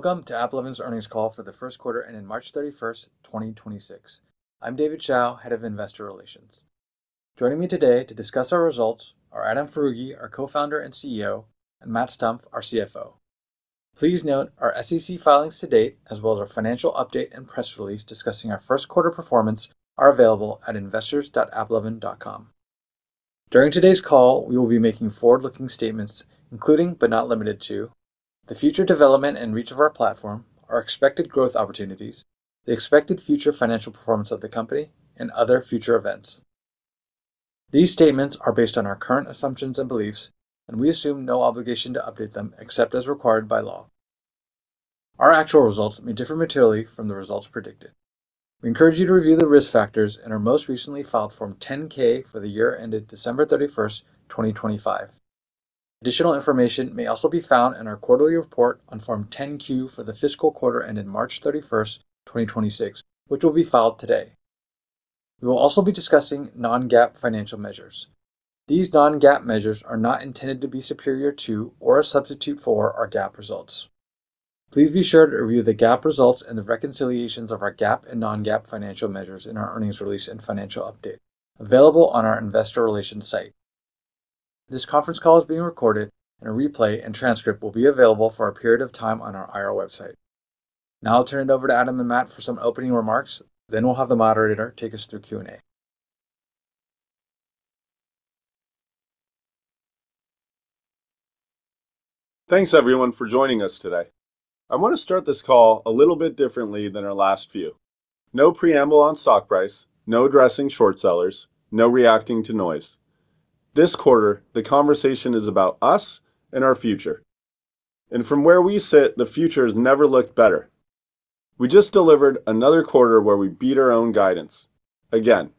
Welcome to AppLovin's earnings call for the first quarter ending March 31st, 2026. I'm David Chao, Head of Investor Relations. Joining me today to discuss our results are Adam Foroughi, our Co-founder and CEO, and Matt Stumpf, our CFO. Please note, our SEC filings to date, as well as our financial update and press release discussing our first quarter performance, are available at investors.applovin.com. During today's call, we will be making forward-looking statements including, but not limited to, the future development and reach of our platform, our expected growth opportunities, the expected future financial performance of the company, and other future events. These statements are based on our current assumptions and beliefs, and we assume no obligation to update them except as required by law. Our actual results may differ materially from the results predicted. We encourage you to review the risk factors in our most recently filed Form 10-K for the year ended December 31st, 2025. Additional information may also be found in our quarterly report on Form 10-Q for the fiscal quarter ending March 31st, 2026, which will be filed today. We will also be discussing non-GAAP financial measures. These non-GAAP measures are not intended to be superior to or a substitute for our GAAP results. Please be sure to review the GAAP results and the reconciliations of our GAAP and non-GAAP financial measures in our earnings release and financial update available on our investor relations site. This conference call is being recorded, and a replay and transcript will be available for a period of time on our IR website. Now I'll turn it over to Adam and Matt for some opening remarks, then we'll have the moderator take us through Q&A. Thanks everyone for joining us today. I want to start this call a little bit differently than our last few. No preamble on stock price, no addressing short sellers, no reacting to noise. This quarter, the conversation is about us and our future. From where we sit, the future has never looked better. We just delivered another quarter where we beat our own guidance. Again,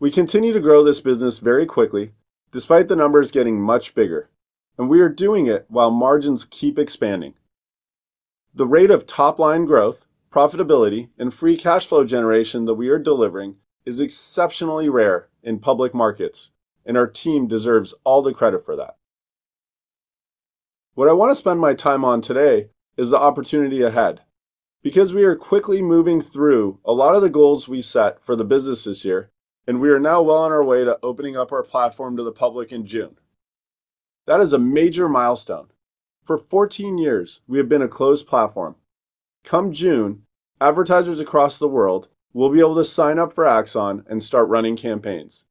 we continue to grow this business very quickly despite the numbers getting much bigger, and we are doing it while margins keep expanding. The rate of top-line growth, profitability, and free cash flow generation that we are delivering is exceptionally rare in public markets, and our team deserves all the credit for that. What I want to spend my time on today is the opportunity ahead. We are quickly moving through a lot of the goals we set for the business this year, and we are now well on our way to opening up our platform to the public in June. That is a major milestone. For 14 years, we have been a closed platform. Come June, advertisers across the world will be able to sign up for Axon and start running campaigns.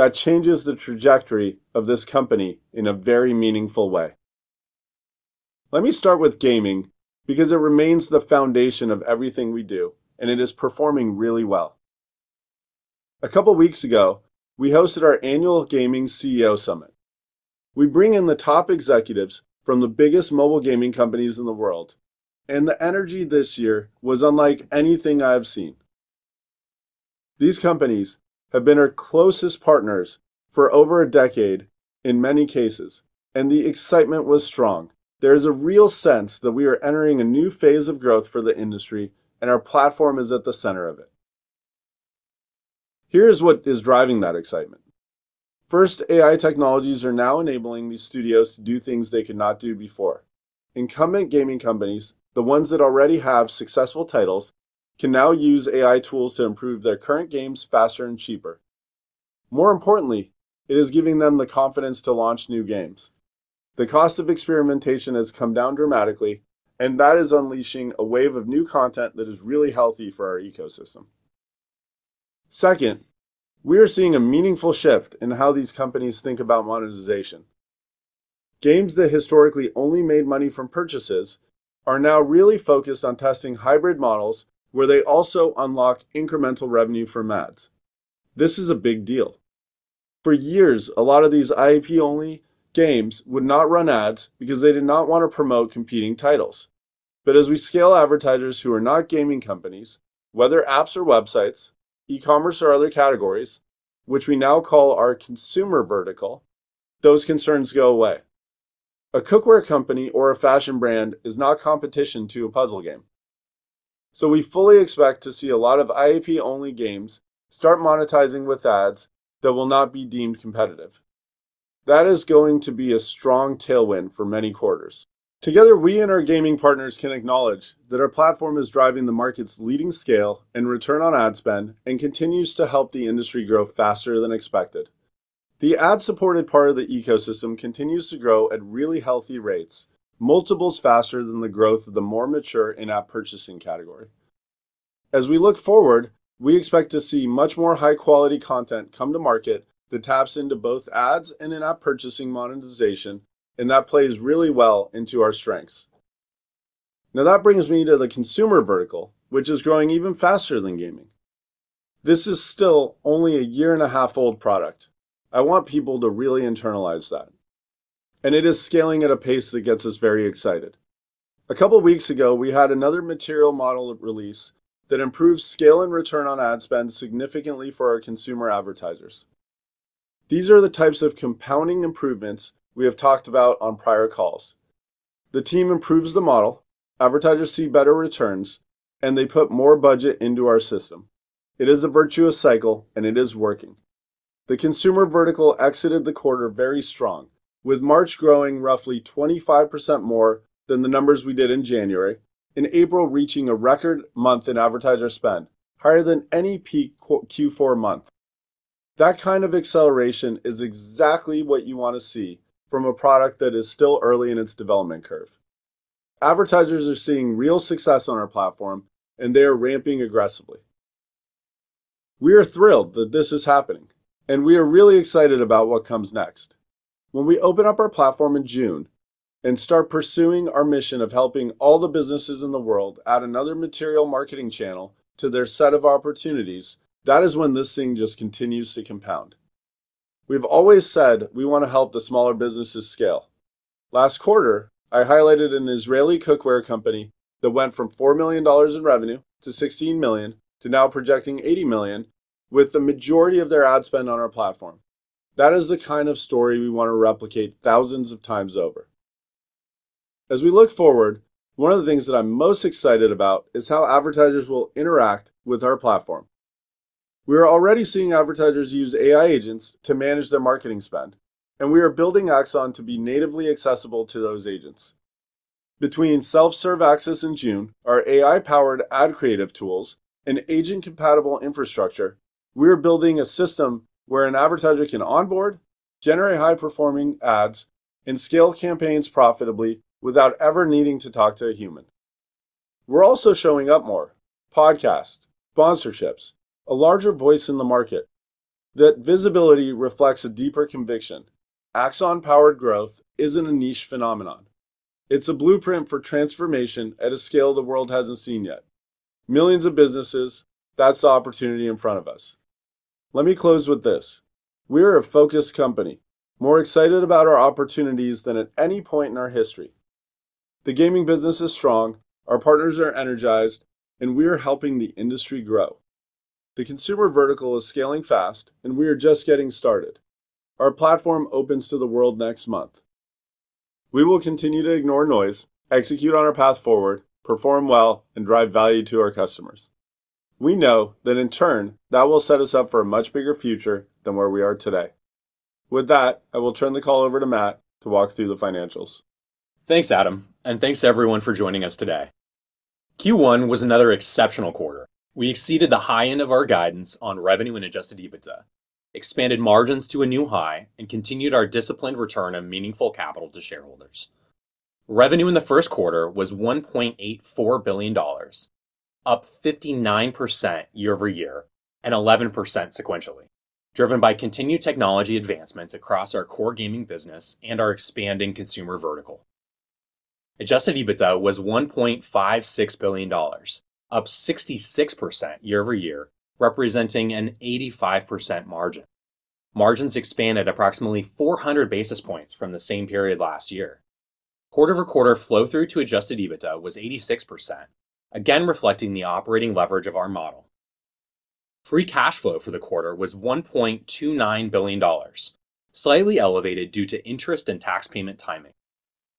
That changes the trajectory of this company in a very meaningful way. Let me start with gaming because it remains the foundation of everything we do, and it is performing really well. A couple weeks ago, we hosted our annual Gaming CEO Summit. We bring in the top executives from the biggest mobile gaming companies in the world, and the energy this year was unlike anything I have seen. These companies have been our closest partners for over a decade in many cases. The excitement was strong. There is a real sense that we are entering a new phase of growth for the industry. Our platform is at the center of it. Here's what is driving that excitement. First, AI technologies are now enabling these studios to do things they could not do before. Incumbent gaming companies, the ones that already have successful titles, can now use AI tools to improve their current games faster and cheaper. More importantly, it is giving them the confidence to launch new games. The cost of experimentation has come down dramatically. That is unleashing a wave of new content that is really healthy for our ecosystem. Second, we are seeing a meaningful shift in how these companies think about monetization. Games that historically only made money from purchases are now really focused on testing hybrid models where they also unlock incremental revenue from ads. This is a big deal. For years, a lot of these IAP-only games would not run ads because they did not want to promote competing titles. As we scale advertisers who are not gaming companies, whether apps or websites, e-commerce or other categories, which we now call our consumer vertical, those concerns go away. A cookware company or a fashion brand is not competition to a puzzle game. We fully expect to see a lot of IAP-only games start monetizing with ads that will not be deemed competitive. That is going to be a strong tailwind for many quarters. Together, we and our gaming partners can acknowledge that our platform is driving the market's leading scale and return on ad spend, and continues to help the industry grow faster than expected. The ad-supported part of the ecosystem continues to grow at really healthy rates, multiples faster than the growth of the more mature in-app purchasing category. As we look forward, we expect to see much more high-quality content come to market that taps into both ads and in-app purchasing monetization, and that plays really well into our strengths. That brings me to the consumer vertical, which is growing even faster than gaming. This is still only a year-and-a-half-old product. I want people to really internalize that, and it is scaling at a pace that gets us very excited. A couple weeks ago, we had another material model release that improved scale and return on ad spend significantly for our consumer advertisers. These are the types of compounding improvements we have talked about on prior calls. The team improves the model, advertisers see better returns, and they put more budget into our system. It is a virtuous cycle, and it is working. The consumer vertical exited the quarter very strong, with March growing roughly 25% more than the numbers we did in January. In April, reaching a record month in advertiser spend, higher than any peak Q4 month. That kind of acceleration is exactly what you wanna see from a product that is still early in its development curve. Advertisers are seeing real success on our platform, and they are ramping aggressively. We are thrilled that this is happening, and we are really excited about what comes next. When we open up our platform in June and start pursuing our mission of helping all the businesses in the world add another material marketing channel to their set of opportunities, that is when this thing just continues to compound. We've always said we wanna help the smaller businesses scale. Last quarter, I highlighted an Israeli cookware company that went from $4 million in revenue to $16 million to now projecting $80 million with the majority of their ad spend on our AppLovin platform. That is the kind of story we wanna replicate thousands of times over. As we look forward, one of the things that I'm most excited about is how advertisers will interact with our platform. We are already seeing advertisers use AI agents to manage their marketing spend, and we are building Axon to be natively accessible to those agents. Between self-serve access in June, our AI-powered ad creative tools, and agent-compatible infrastructure, we are building a system where an advertiser can onboard, generate high-performing ads, and scale campaigns profitably without ever needing to talk to a human. We're also showing up more: podcasts, sponsorships, a larger voice in the market. That visibility reflects a deeper conviction. Axon-powered growth isn't a niche phenomenon. It's a blueprint for transformation at a scale the world hasn't seen yet. Millions of businesses, that's the opportunity in front of us. Let me close with this. We are a focused company, more excited about our opportunities than at any point in our history. The gaming business is strong, our partners are energized, and we are helping the industry grow. The consumer vertical is scaling fast, and we are just getting started. Our platform opens to the world next month. We will continue to ignore noise, execute on our path forward, perform well, and drive value to our customers. We know that in turn, that will set us up for a much bigger future than where we are today. With that, I will turn the call over to Matt to walk through the financials. Thanks, Adam, and thanks everyone for joining us today. Q1 was another exceptional quarter. We exceeded the high end of our guidance on revenue and adjusted EBITDA, expanded margins to a new high, and continued our disciplined return of meaningful capital to shareholders. Revenue in the first quarter was $1.84 billion, up 59% year-over-year and 11% sequentially, driven by continued technology advancements across our core gaming business and our expanding consumer vertical. Adjusted EBITDA was $1.56 billion, up 66% year-over-year, representing an 85% margin. Margins expanded approximately 400 basis points from the same period last year. Quarter-over-quarter flow through to adjusted EBITDA was 86%, again reflecting the operating leverage of our model. Free cash flow for the quarter was $1.29 billion, slightly elevated due to interest and tax payment timing.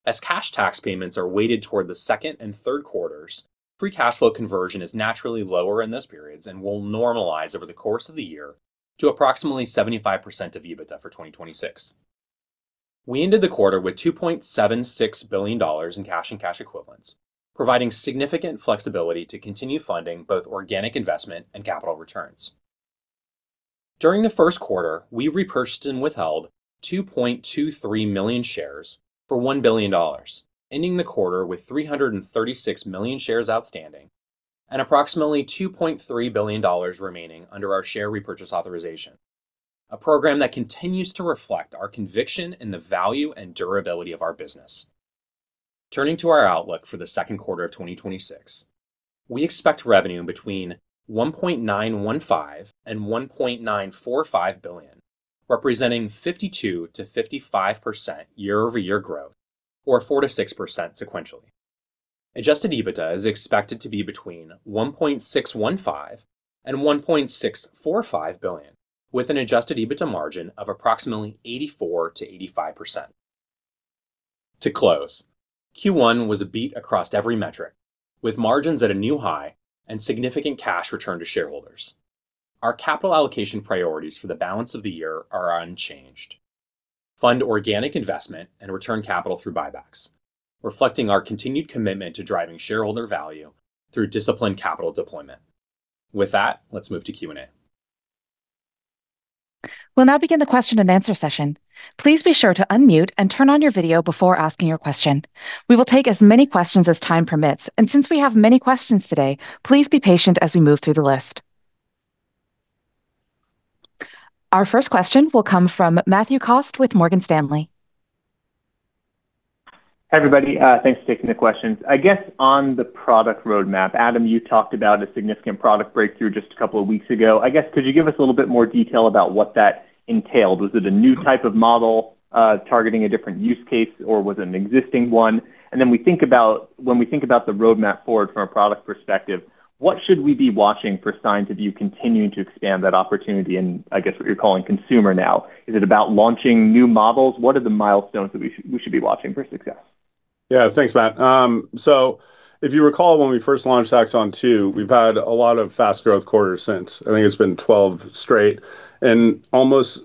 As cash tax payments are weighted toward the second and third quarters, free cash flow conversion is naturally lower in those periods and will normalize over the course of the year to approximately 75% of EBITDA for 2026. We ended the quarter with $2.76 billion in cash and cash equivalents, providing significant flexibility to continue funding both organic investment and capital returns. During the first quarter, we repurchased and withheld 2.23 million shares for $1 billion, ending the quarter with 336 million shares outstanding and approximately $2.3 billion remaining under our share repurchase authorization, a program that continues to reflect our conviction in the value and durability of our business. Turning to our outlook for the second quarter of 2026, we expect revenue between $1.915 billion and $1.945 billion, representing 52%-55% year-over-year growth or 4%-6% sequentially. Adjusted EBITDA is expected to be between $1.615 billion and $1.645 billion with an Adjusted EBITDA margin of approximately 84%-85%. To close, Q1 was a beat across every metric, with margins at a new high and significant cash return to shareholders. Our capital allocation priorities for the balance of the year are unchanged. Fund organic investment and return capital through buybacks, reflecting our continued commitment to driving shareholder value through disciplined capital deployment. With that, let's move to Q&A. We'll now begin the question and answer session. Please be sure to unmute and turn on your video before asking your question. We will take as many questions as time permits, and since we have many questions today, please be patient as we move through the list. Our first question will come from Matthew Cost with Morgan Stanley. Hi, everybody. Thanks for taking the questions. I guess on the product roadmap, Adam, you talked about a significant product breakthrough just a couple of weeks ago. I guess could you give us a little bit more detail about what that entailed? Was it a new type of model, targeting a different use case, or was it an existing one? When we think about the roadmap forward from a product perspective, what should we be watching for signs of you continuing to expand that opportunity in, I guess, what you're calling consumer now? Is it about launching new models? What are the milestones that we should be watching for success? Yeah. Thanks, Matt. If you recall, when we first launched Axon 2.0, we've had a lot of fast growth quarters since. I think it's been 12 straight. Most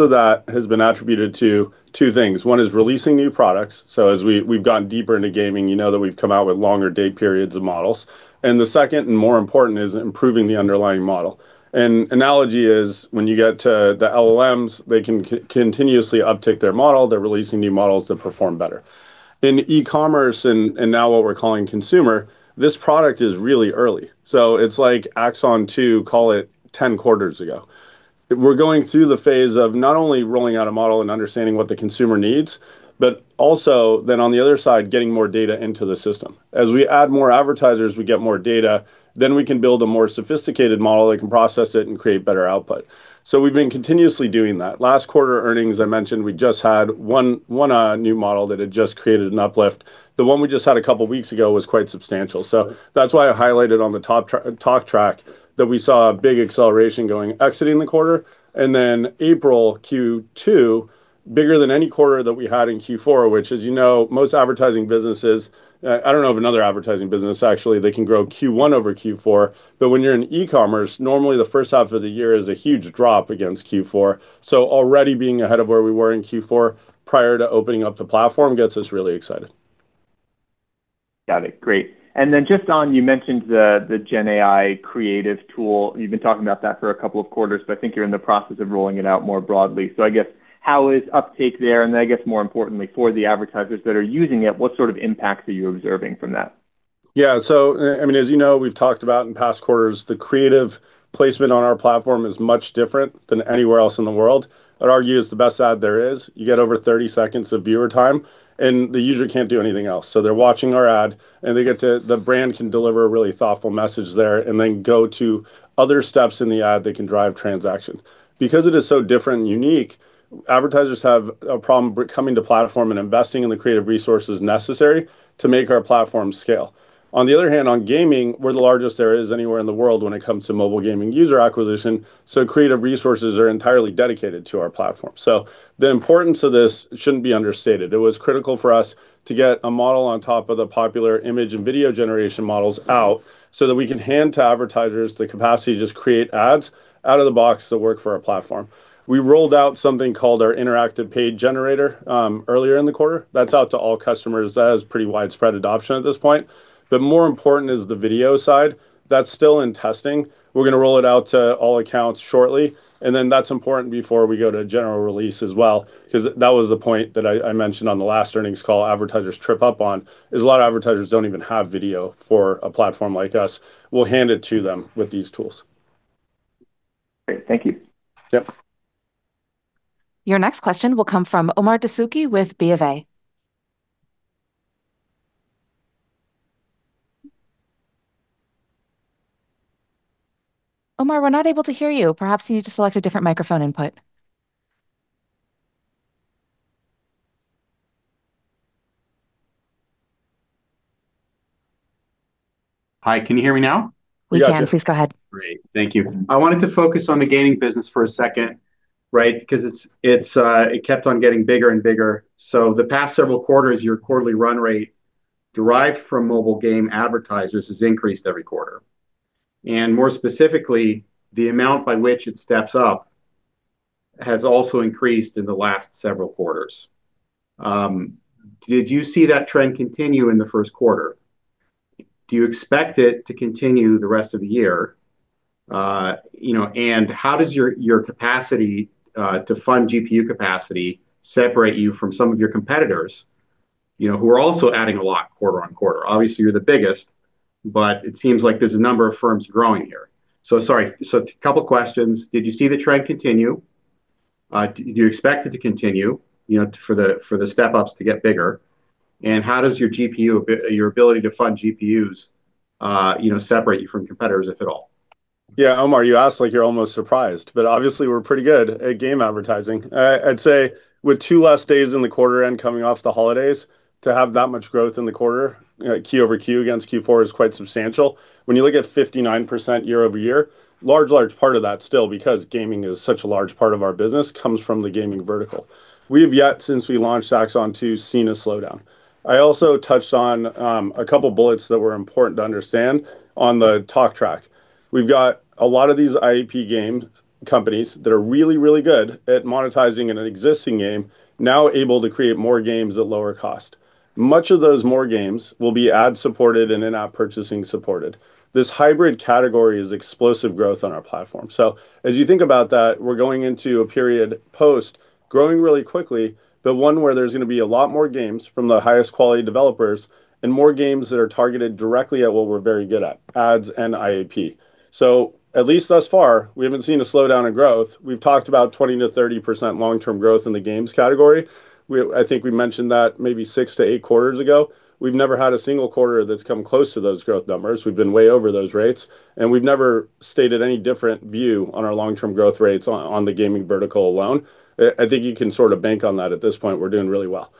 of that has been attributed to two things. One is releasing new products. As we've gone deeper into gaming, you know that we've come out with longer date periods of models. The second, and more important, is improving the underlying model. An analogy is when you get to the LLMs, they can continuously uptick their model. They're releasing new models that perform better. In e-commerce and now what we're calling consumer, this product is really early. It's like Axon 2.0, call it, 10 quarters ago. We're going through the phase of not only rolling out a model and understanding what the consumer needs, but also then on the other side, getting more data into the system. As we add more advertisers, we get more data, then we can build a more sophisticated model that can process it and create better output. We've been continuously doing that. Last quarter earnings, I mentioned, we just had one new model that had just created an uplift. The one we just had a couple weeks ago was quite substantial. That's why I highlighted on the top talk track that we saw a big acceleration going exiting the quarter and then April Q2 bigger than any quarter that we had in Q4, which as you know, most advertising businesses, I don't know of another advertising business actually that can grow Q1 over Q4. When you're in e-commerce, normally the first half of the year is a huge drop against Q4. Already being ahead of where we were in Q4 prior to opening up the platform gets us really excited. Got it. Great. Just on, you mentioned the gen AI creative tool. You've been talking about that for a couple of quarters. I think you're in the process of rolling it out more broadly. I guess how is uptake there? I guess more importantly for the advertisers that are using it, what sort of impacts are you observing from that? I mean, as you know, we've talked about in past quarters, the creative placement on our platform is much different than anywhere else in the world. I'd argue it's the best ad there is. You get over 30 seconds of viewer time, and the user can't do anything else. They're watching our ad, and the brand can deliver a really thoughtful message there and then go to other steps in the ad that can drive transaction. Because it is so different and unique, advertisers have a problem coming to platform and investing in the creative resources necessary to make our platform scale. On the other hand, on gaming, we're the largest there is anywhere in the world when it comes to mobile gaming user acquisition, so creative resources are entirely dedicated to our platform. The importance of this shouldn't be understated. It was critical for us to get a model on top of the popular image and video generation models out so that we can hand to advertisers the capacity to just create ads out of the box that work for our platform. We rolled out something called our interactive page generator, earlier in the quarter. That's out to all customers. That has pretty widespread adoption at this point. More important is the video side. That's still in testing. We're gonna roll it out to all accounts shortly. That's important before we go to general release as well because that was the point that I mentioned on the last earnings call advertisers trip up on, is a lot of advertisers don't even have video for a platform like us. We'll hand it to them with these tools. Great. Thank you. Your next question will come from Omar Dessouky with BofA. Omar, we're not able to hear you. Perhaps you need to select a different microphone input. Hi, can you hear me now? We can. Please go ahead. Great. Thank you. I wanted to focus on the gaming business for a second, right, because it's, it kept on getting bigger and bigger. The past several quarters, your quarterly run rate derived from mobile game advertisers has increased every quarter. And more specifically, the amount by which it steps up has also increased in the last several quarters. Did you see that trend continue in the first quarter? Do you expect it to continue the rest of the year? You know, and how does your capacity to fund GPU capacity separate you from some of your competitors, you know, who are also adding a lot quarter-on-quarter? Obviously, you're the biggest, but it seems like there's a number of firms growing here. Sorry, a couple questions. Did you see the trend continue? Do you expect it to continue, you know, for the step-ups to get bigger? And how does your GPU, your ability to fund GPUs, you know, separate you from competitors, if at all? Yeah. Omar, you ask like you're almost surprised, obviously we're pretty good at game advertising. I'd say with two less days in the quarter and coming off the holidays, to have that much growth in the quarter, you know, quarter-over-quarter against Q4 is quite substantial. When you look at 59% year-over-year, large part of that still, because gaming is such a large part of our business, comes from the gaming vertical. We've yet, since we launched Axon 2.0, seen a slowdown. I also touched on a couple bullets that were important to understand on the talk track. We've got a lot of these IAP game companies that are really good at monetizing an existing game now able to create more games at lower cost. Much of those more games will be ad-supported and in-app purchasing supported. This hybrid category is explosive growth on our platform. As you think about that, we're going into a period post growing really quickly, but one where there's going to be a lot more games from the highest quality developers and more games that are targeted directly at what we're very good at, ads and IAP. At least thus far, we haven't seen a slowdown in growth. We've talked about 20%-30% long-term growth in the games category. I think we mentioned that maybe six to eight quarters ago. We've never had a single quarter that's come close to those growth numbers. We've been way over those rates, and we've never stated any different view on our long-term growth rates on the gaming vertical alone. I think you can sort of bank on that at this point. We're doing really well.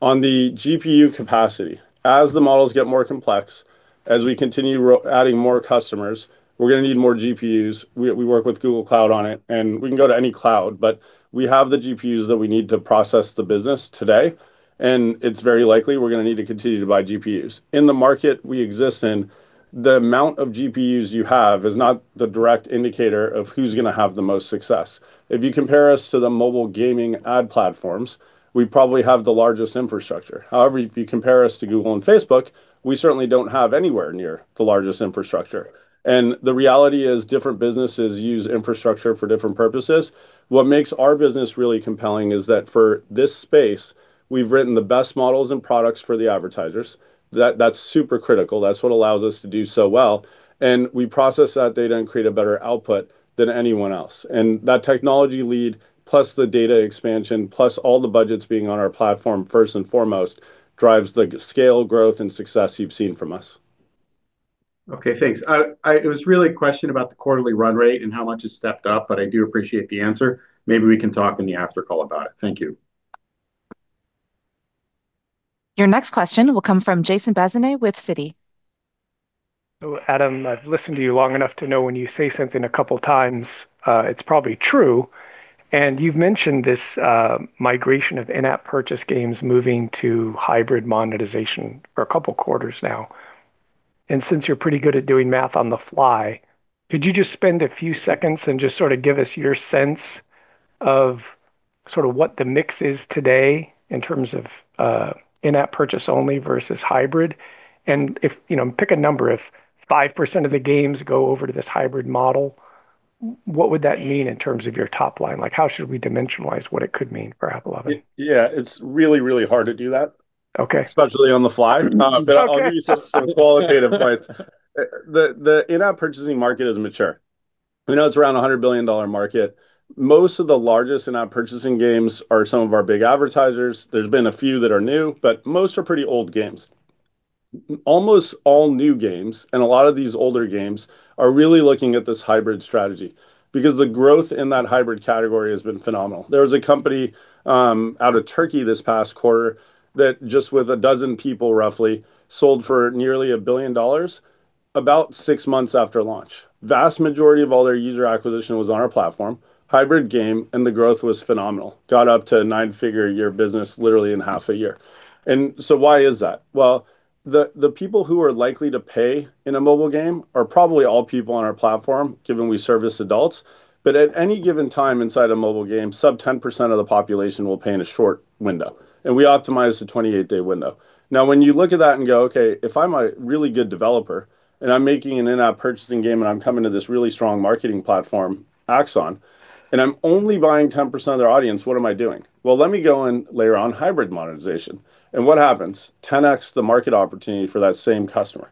On the GPU capacity, as the models get more complex, as we continue adding more customers, we're gonna need more GPUs. We work with Google Cloud on it, and we can go to any cloud, but we have the GPUs that we need to process the business today, and it's very likely we're gonna need to continue to buy GPUs. In the market we exist in, the amount of GPUs you have is not the direct indicator of who's gonna have the most success. If you compare us to the mobile gaming ad platforms, we probably have the largest infrastructure. However, if you compare us to Google and Facebook, we certainly don't have anywhere near the largest infrastructure. The reality is, different businesses use infrastructure for different purposes. What makes our business really compelling is that for this space, we've written the best models and products for the advertisers. That's super critical. That's what allows us to do so well, and we process that data and create a better output than anyone else. That technology lead, plus the data expansion, plus all the budgets being on our platform first and foremost, drives the scale, growth, and success you've seen from us. Okay, thanks. It was really a question about the quarterly run rate and how much it's stepped up, but I do appreciate the answer. Maybe we can talk in the after call about it. Thank you. Your next question will come from Jason Bazinet with Citi. Adam, I've listened to you long enough to know when you say something two times, it's probably true. You've mentioned this migration of in-app purchase games moving to hybrid monetization for couple of quarters now. Since you're pretty good at doing math on the fly, could you just spend a few seconds and just sort of give us your sense of sort of what the mix is today in terms of in-app purchase only versus hybrid? You know, pick a number. If 5% of the games go over to this hybrid model, what would that mean in terms of your top line? Like, how should we dimensionalize what it could mean for AppLovin? It Yeah, it's really, really hard to do that. Okay. Especially on the fly. Okay. I'll give you some qualitative points. The in-app purchasing market is mature. We know it's around $100 billion market. Most of the largest in-app purchasing games are some of our big advertisers. There's been a few that are new, most are pretty old games. Almost all new games, a lot of these older games, are really looking at this hybrid strategy because the growth in that hybrid category has been phenomenal. There was a company out of Turkey this past quarter that just with 12 people roughly, sold for about $1 billion about six months after launch. Vast majority of all their user acquisition was on our platform, hybrid game, the growth was phenomenal. Got up to a nine-figure a year business literally in half a year. Why is that? Well, the people who are likely to pay in a mobile game are probably all people on our platform, given we service adults. At any given time inside a mobile game, sub 10% of the population will pay in a short window, and we optimize the 28-day window. Now, when you look at that and go, "Okay, if I'm a really good developer and I'm making an in-app purchasing game and I'm coming to this really strong marketing platform, Axon, and I'm only buying 10% of their audience, what am I doing?" Well, let me go and layer on hybrid monetization. What happens? 10X the market opportunity for that same customer.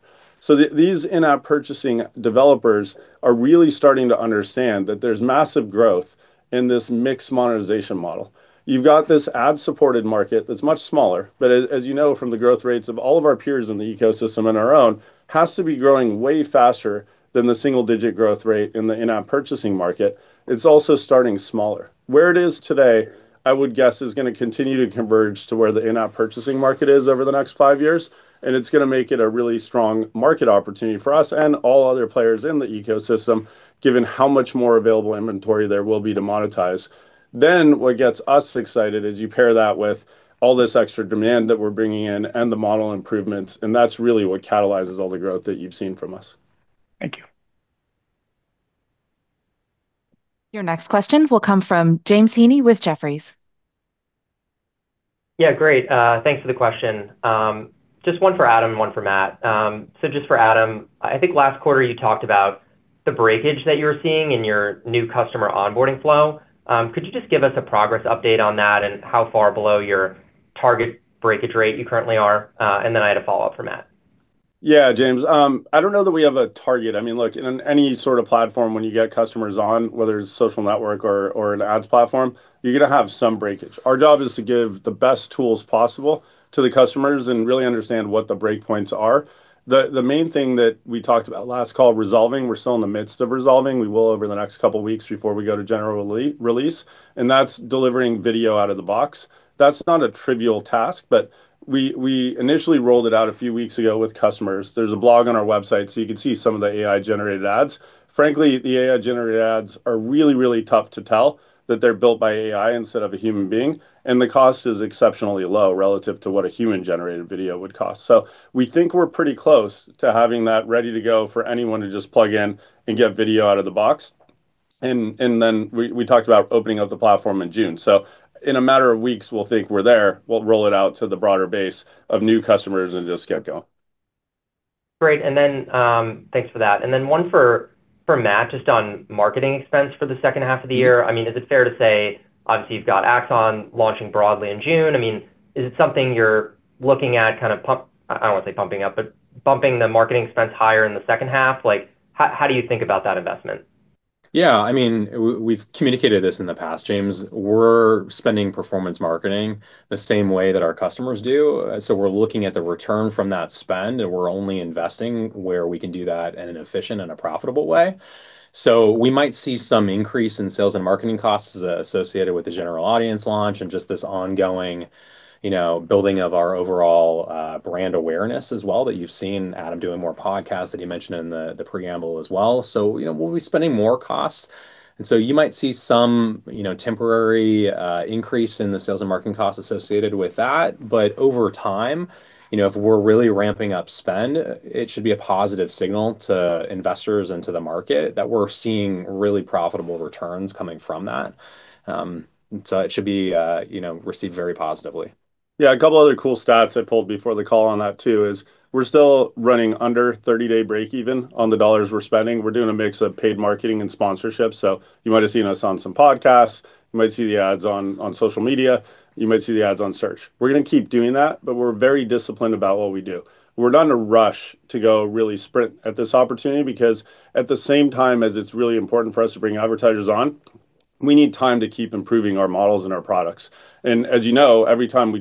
These in-app purchasing developers are really starting to understand that there's massive growth in this mixed monetization model. You've got this ad-supported market that's much smaller, but as you know from the growth rates of all of our peers in the ecosystem and our own, has to be growing way faster than the single-digit growth rate in the in-app purchasing market. It's also starting smaller. Where it is today, I would guess, is gonna continue to converge to where the in-app purchasing market is over the next five years, and it's gonna make it a really strong market opportunity for us and all other players in the ecosystem, given how much more available inventory there will be to monetize. What gets us excited is you pair that with all this extra demand that we're bringing in and the model improvements, and that's really what catalyzes all the growth that you've seen from us. Thank you. Your next question will come from James Heaney with Jefferies. Yeah, great. Thanks for the question. Just one for Adam and one for Matt. Just for Adam, I think last quarter you talked about the breakage that you were seeing in your new customer onboarding flow. Could you just give us a progress update on that and how far below your target breakage rate you currently are? Then I had a follow-up for Matt. Yeah, James. I don't know that we have a target. I mean, look, in any sort of platform when you get customers on, whether it's social network or an ads platform, you're gonna have some breakage. Our job is to give the best tools possible to the customers and really understand what the break points are. The main thing that we talked about last call resolving, we're still in the midst of resolving. We will over the next couple weeks before we go to general release, that's delivering video out of the box. That's not a trivial task, we initially rolled it out a few weeks ago with customers. There's a blog on our website, you can see some of the AI-generated ads. Frankly, the AI-generated ads are really, really tough to tell that they're built by AI instead of a human being, and the cost is exceptionally low relative to what a human-generated video would cost. We think we're pretty close to having that ready to go for anyone to just plug in and get video out of the box. Then we talked about opening up the platform in June. In a matter of weeks, we'll think we're there. We'll roll it out to the broader base of new customers and just get going. Great. Thanks for that. One for Matt, just on marketing expense for the second half of the year. I mean, is it fair to say, obviously, you've got Axon launching broadly in June. I mean, is it something you're looking at kind of I don't want to say pumping up, but bumping the marketing expense higher in the second half? Like, how do you think about that investment? Yeah, I mean, we've communicated this in the past, James. We're spending performance marketing the same way that our customers do. We're looking at the return from that spend, and we're only investing where we can do that in an efficient and a profitable way. We might see some increase in sales and marketing costs associated with the general audience launch and just this ongoing, you know, building of our overall brand awareness as well, that you've seen Adam doing more podcasts that he mentioned in the preamble as well. You know, we'll be spending more costs. You might see some, you know, temporary increase in the sales and marketing costs associated with that. Over time, you know, if we're really ramping up spend, it should be a positive signal to investors and to the market that we're seeing really profitable returns coming from that. It should be, you know, received very positively. A couple other cool stats I pulled before the call on that too is we're still running under 30-day break even on the dollars we're spending. We're doing a mix of paid marketing and sponsorship. You might have seen us on some podcasts, you might see the ads on social media, you might see the ads on search. We're gonna keep doing that, we're very disciplined about what we do. We're not in a rush to go really sprint at this opportunity because at the same time as it's really important for us to bring advertisers on, we need time to keep improving our models and our products. As you know, everything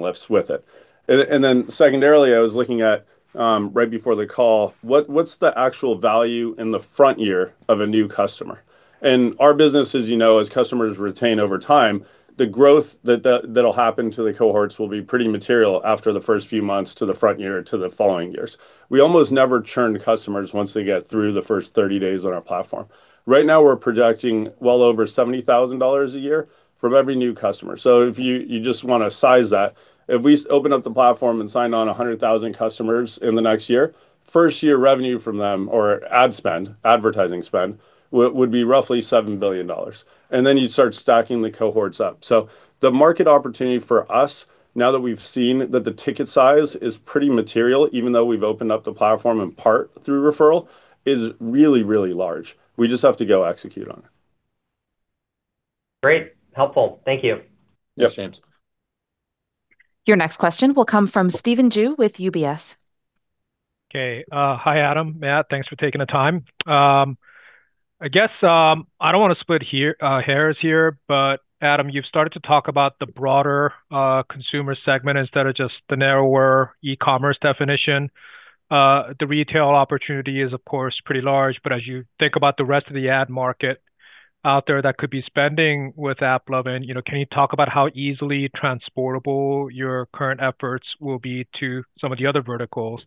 lifts with it. Then secondarily, I was looking at right before the call, what's the actual value in the front year of a new customer? Our business, as you know, as customers retain over time, the growth that'll happen to the cohorts will be pretty material after the first few months to the front year to the following years. We almost never churn customers once they get through the first 30 days on our platform. Right now, we're projecting well over $70,000 a year from every new customer. If you just wanna size that, if we open up the platform and sign on 100,000 customers in the next year, first year revenue from them, or ad spend, advertising spend, would be roughly $7 billion. Then you'd start stacking the cohorts up. The market opportunity for us, now that we've seen that the ticket size is pretty material, even though we've opened up the platform in part through referral, is really, really large. We just have to go execute on it. Great. Helpful. Thank you. Yeah, James. Your next question will come from Stephen Ju with UBS. Okay. Hi, Adam, Matt. Thanks for taking the time. I guess, I don't wanna split hairs here, Adam, you've started to talk about the broader consumer segment instead of just the narrower e-commerce definition. The retail opportunity is, of course, pretty large, as you think about the rest of the ad market out there that could be spending with AppLovin, you know, can you talk about how easily transportable your current efforts will be to some of the other verticals?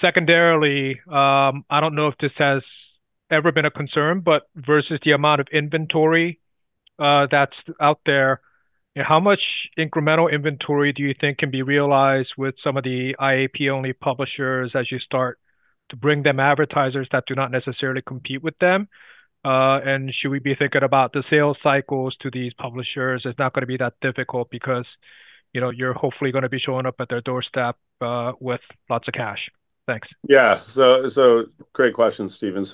Secondarily, I don't know if this has ever been a concern, versus the amount of inventory that's out there, how much incremental inventory do you think can be realized with some of the IAP-only publishers as you start to bring them advertisers that do not necessarily compete with them? Should we be thinking about the sales cycles to these publishers? It's not gonna be that difficult because, you know, you're hopefully gonna be showing up at their doorstep with lots of cash. Thanks. Yeah. Great question, Stephen.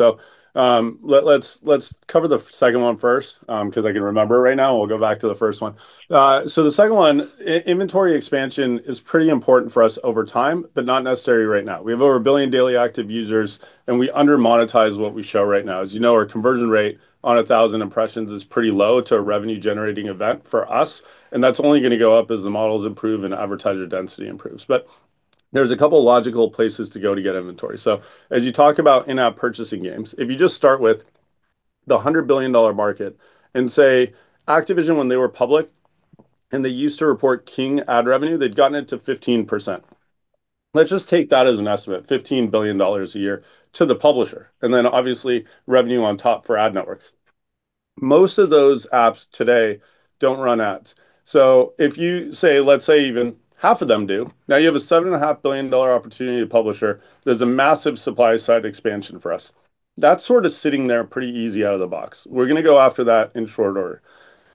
Let's cover the second one first, 'cause I can remember it right now, and we'll go back to the first one. The second one, inventory expansion is pretty important for us over time, but not necessary right now. We have over 1 billion daily active users, and we under-monetize what we show right now. As you know, our conversion rate on 1,000 impressions is pretty low to a revenue-generating event for us, and that's only gonna go up as the models improve and advertiser density improves. There's a couple logical places to go to get inventory. As you talk about in-app purchasing games, if you just start with the $100 billion market and say, Activision when they were public and they used to report King ad revenue, they'd gotten it to 15%. Let's just take that as an estimate, $15 billion a year to the publisher, and then obviously revenue on top for ad networks. Most of those apps today don't run ads. If you say, let's say even half of them do, now you have a $7.5 billion opportunity to publisher. There's a massive supply side expansion for us. That's sort of sitting there pretty easy out of the box. We're gonna go after that in short order.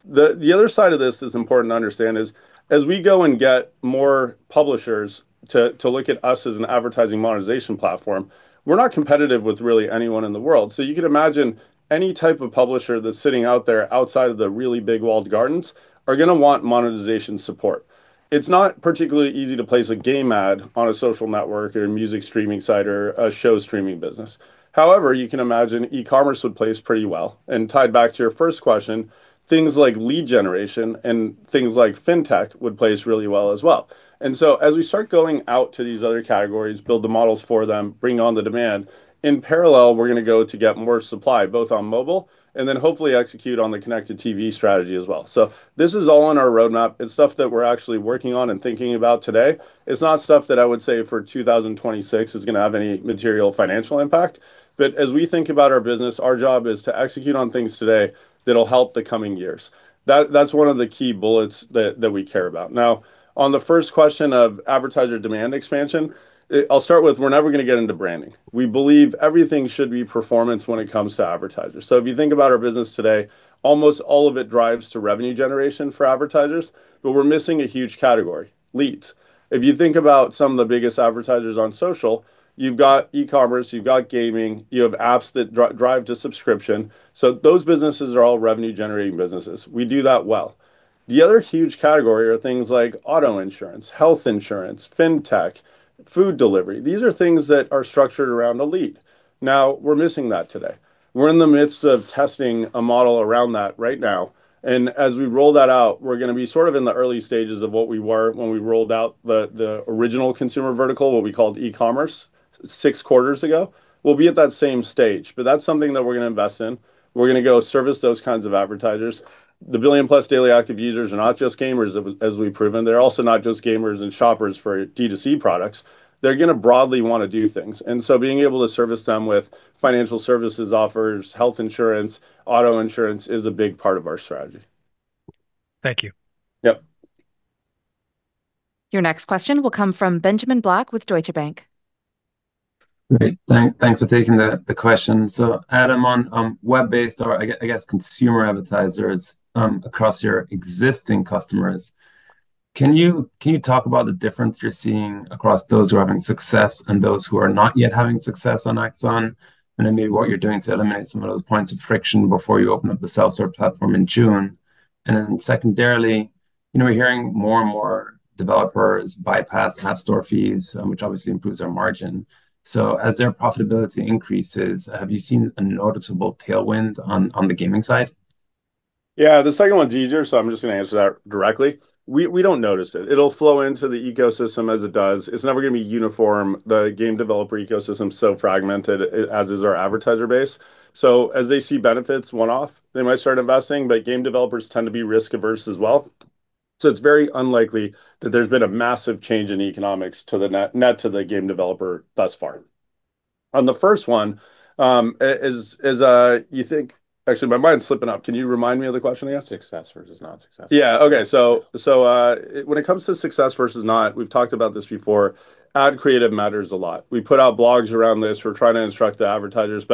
The other side of this that's important to understand is, as we go and get more publishers to look at us as an advertising monetization platform, we're not competitive with really anyone in the world. You can imagine any type of publisher that's sitting out there outside of the really big walled gardens are gonna want monetization support. It's not particularly easy to place a game ad on a social network or a music streaming site or a show streaming business. However, you can imagine e-commerce would place pretty well. Tied back to your first question, things like lead generation and things like fintech would place really well as well. As we start going out to these other categories, build the models for them, bring on the demand, in parallel, we're gonna go to get more supply, both on mobile, and then hopefully execute on the Connected TV strategy as well. This is all on our roadmap. It's stuff that we're actually working on and thinking about today. It's not stuff that I would say for 2026 is gonna have any material financial impact. As we think about our business, our job is to execute on things today that'll help the coming years. That's one of the key bullets that we care about. On the first question of advertiser demand expansion, I'll start with we're never gonna get into branding. We believe everything should be performance when it comes to advertisers. If you think about our business today, almost all of it drives to revenue generation for advertisers, but we're missing a huge category, leads. If you think about some of the biggest advertisers on social, you've got e-commerce, you've got gaming, you have apps that drive to subscription. Those businesses are all revenue-generating businesses. We do that well. The other huge category are things like auto insurance, health insurance, fintech, food delivery. These are things that are structured around a lead. We're missing that today. We're in the midst of testing a model around that right now, and as we roll that out, we're gonna be sort of in the early stages of what we were when we rolled out the original consumer vertical, what we called e-commerce, six quarters ago. We'll be at that same stage. That's something that we're gonna invest in. We're gonna go service those kinds of advertisers. The billion+ daily active users are not just gamers, as we've proven. They're also not just gamers and shoppers for D2C products. They're gonna broadly wanna do things, and so being able to service them with financial services offers, health insurance, auto insurance, is a big part of our strategy. Thank you. Your next question will come from Benjamin Black with Deutsche Bank. Great. Thanks for taking the question. Adam, on web-based or I guess, consumer advertisers, across your existing customers, can you talk about the difference you're seeing across those who are having success and those who are not yet having success on Axon? Maybe what you're doing to eliminate some of those points of friction before you open up the self-serve platform in June. Secondarily, you know, we're hearing more and more developers bypass App Store fees, which obviously improves their margin. As their profitability increases, have you seen a noticeable tailwind on the gaming side? Yeah, the second one's easier. I'm just gonna answer that directly. We don't notice it. It'll flow into the ecosystem as it does. It's never gonna be uniform. The game developer ecosystem's so fragmented, as is our advertiser base. As they see benefits one-off, they might start investing, but game developers tend to be risk-averse as well. It's very unlikely that there's been a massive change in economics to the net to the game developer thus far. On the first one, you think Actually, my mind's slipping up. Can you remind me of the question again? Success versus not success. Yeah. Okay. So, when it comes to success versus not, we've talked about this before, ad creative matters a lot. We put out blogs around this. We're trying to instruct the advertisers.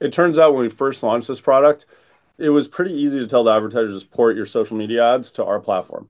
It turns out when we first launched this product, it was pretty easy to tell the advertisers, "Port your social media ads to our platform."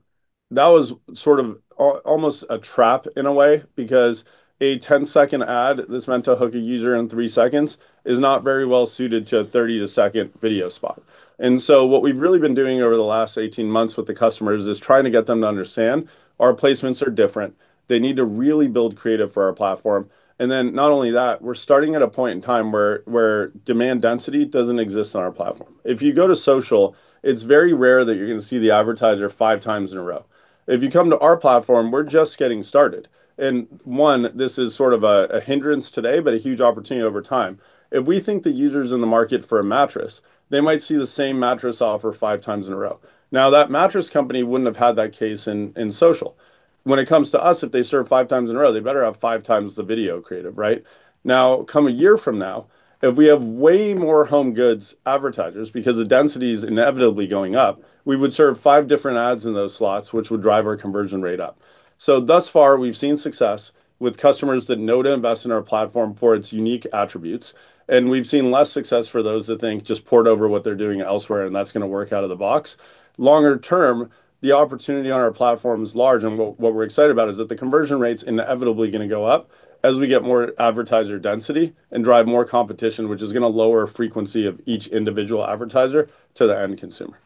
That was sort of almost a trap in a way, because a 10-second ad that's meant to hook a user in three seconds is not very well-suited to a 30-second video spot. What we've really been doing over the last 18 months with the customers is trying to get them to understand our placements are different. They need to really build creative for our platform, then not only that, we're starting at a point in time where demand density doesn't exist on our platform. If you go to social, it's very rare that you're gonna see the advertiser five times in a row. If you come to our platform, we're just getting started. One, this is sort of a hindrance today, but a huge opportunity over time. If we think that user's in the market for a mattress, they might see the same mattress offer five times in a row. That mattress company wouldn't have had that case in social. When it comes to us, if they serve five times in a row, they better have five times the video creative, right? Come a year from now, if we have way more home goods advertisers, because the density is inevitably going up, we would serve five different ads in those slots, which would drive our conversion rate up. Thus far, we've seen success with customers that know to invest in our platform for its unique attributes, and we've seen less success for those that think just port over what they're doing elsewhere and that's gonna work out of the box. Longer term, the opportunity on our platform is large, and what we're excited about is that the conversion rate's inevitably gonna go up as we get more advertiser density and drive more competition, which is gonna lower frequency of each individual advertiser to the end consumer.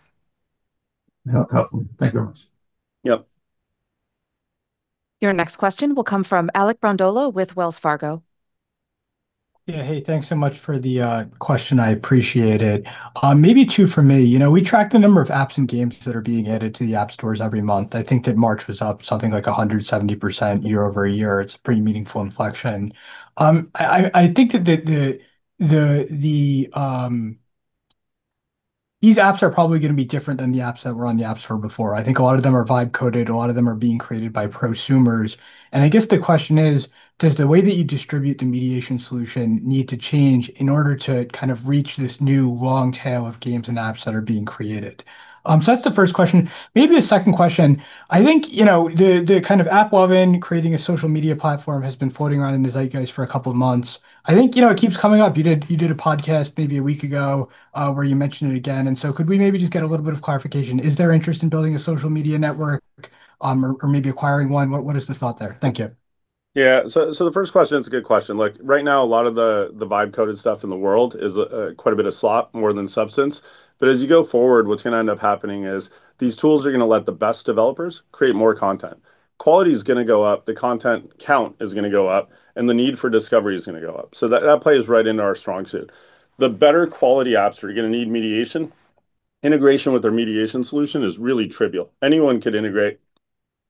Yeah. Helpful. Thank you very much. Your next question will come from Alec Brondolo with Wells Fargo. Yeah. Hey, thanks so much for the question. I appreciate it. Maybe two for me. You know, we tracked the number of apps and games that are being added to the App Store every month. I think that March was up something like 170% year-over-year. It's a pretty meaningful inflection. I think that these apps are probably gonna be different than the apps that were on the App Store before. I think a lot of them are vibe-coded. A lot of them are being created by prosumers. I guess the question is, does the way that you distribute the mediation solution need to change in order to kind of reach this new long tail of games and apps that are being created? That's the first question. Maybe the second question, I think, you know, the kind of AppLovin creating a social media platform has been floating around in the zeitgeists for a couple of months. I think, you know, it keeps coming up. You did a podcast maybe a week ago, where you mentioned it again. Could we maybe just get a little bit of clarification? Is there interest in building a social media network, or maybe acquiring one? What is the thought there? Thank you. Yeah. The first question is a good question. Like, right now, a lot of the vibe-coded stuff in the world is quite a bit of slop more than substance. As you go forward, what's gonna end up happening is these tools are gonna let the best developers create more content. Quality's gonna go up, the content count is gonna go up, and the need for discovery is gonna go up. That, that plays right into our strong suit. The better quality apps are gonna need mediation. Integration with their mediation solution is really trivial. Anyone could integrate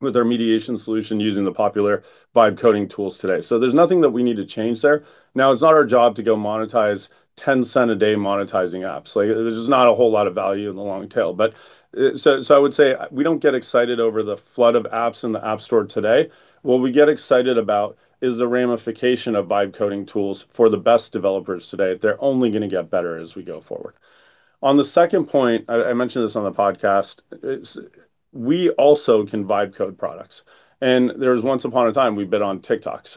with our mediation solution using the popular Vibe coding tools today. There's nothing that we need to change there. Now, it's not our job to go monetize $0.10 a day monetizing apps. Like, there's just not a whole lot of value in the long tail. I would say we don't get excited over the flood of apps in the App Store today. What we get excited about is the ramification of Vibe coding tools for the best developers today. They're only gonna get better as we go forward. On the second point, I mentioned this on the podcast. We also can vibe code products, and there was once upon a time we bid on TikTok.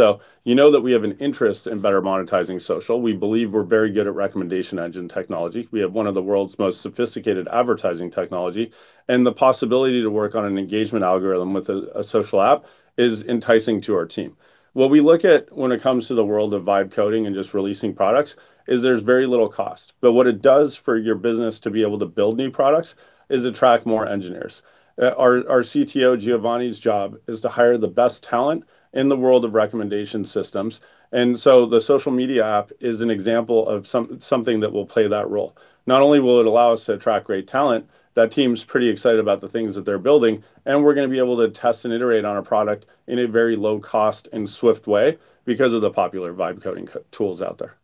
You know that we have an interest in better monetizing social. We believe we're very good at recommendation engine technology. We have one of the world's most sophisticated advertising technology, and the possibility to work on an engagement algorithm with a social app is enticing to our team. What we look at when it comes to the world of vibe coding and just releasing products is there's very little cost. What it does for your business to be able to build new products is attract more engineers. Our CTO Giovanni's job is to hire the best talent in the world of recommendation systems. The social media app is an example of something that will play that role. Not only will it allow us to attract great talent, that team's pretty excited about the things that they're building, and we're gonna be able to test and iterate on a product in a very low cost and swift way because of the popular vibe coding tools out there.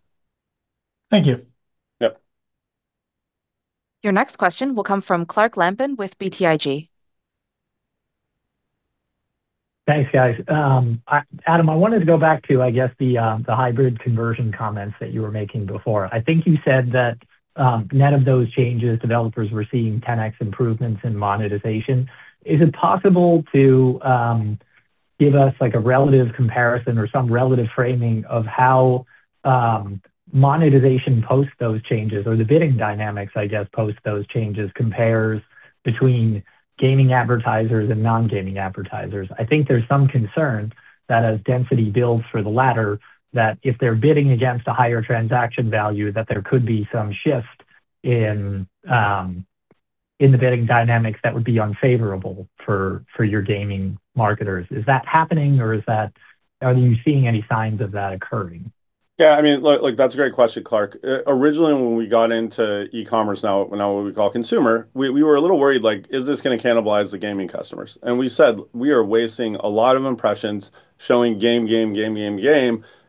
Thank you. Your next question will come from Clark Lampen with BTIG. Thanks, guys. Adam, I wanted to go back to, I guess, the hybrid conversion comments that you were making before. I think you said that, net of those changes, developers were seeing 10x improvements in monetization. Is it possible to give us like a relative comparison or some relative framing of how monetization post those changes or the bidding dynamics, I guess, post those changes compares between gaming advertisers and non-gaming advertisers? I think there's some concern that as density builds for the latter, that if they're bidding against a higher transaction value, that there could be some shift in the bidding dynamics that would be unfavorable for your gaming marketers. Is that happening, or are you seeing any signs of that occurring? I mean, look, that's a great question, Clark. Originally when we got into e-commerce, now what we call consumer, we were a little worried like, is this gonna cannibalize the gaming customers? We said we are wasting a lot of impressions showing game,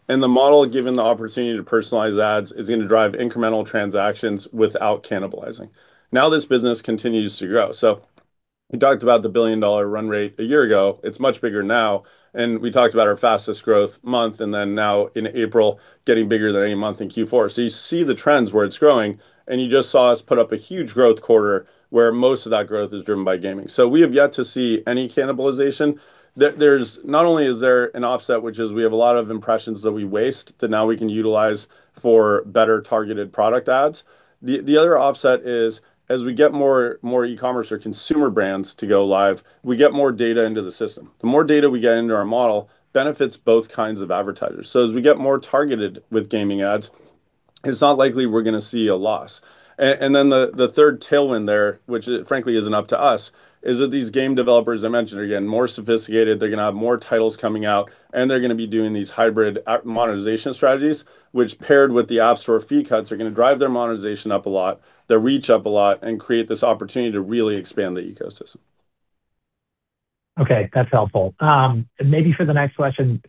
and the model, given the opportunity to personalize ads, is gonna drive incremental transactions without cannibalizing. Now this business continues to grow. We talked about the $1 billion run rate a year ago. It's much bigger now, and we talked about our fastest growth month and then now in April getting bigger than any month in Q4. You see the trends where it's growing, and you just saw us put up a huge growth quarter where most of that growth is driven by gaming. We have yet to see any cannibalization. There, not only is there an offset, which is we have a lot of impressions that we waste that now we can utilize for better targeted product ads. The other offset is, as we get more e-commerce or consumer brands to go live, we get more data into the system. The more data we get into our model benefits both kinds of advertisers. As we get more targeted with gaming ads, it's not likely we're gonna see a loss. The third tailwind there, which frankly isn't up to us, is that these game developers I mentioned are getting more sophisticated. They're gonna have more titles coming out, and they're gonna be doing these hybrid monetization strategies, which paired with the App Store fee cuts, are gonna drive their monetization up a lot, their reach up a lot, and create this opportunity to really expand the ecosystem. Okay, that's helpful. Maybe for the next question,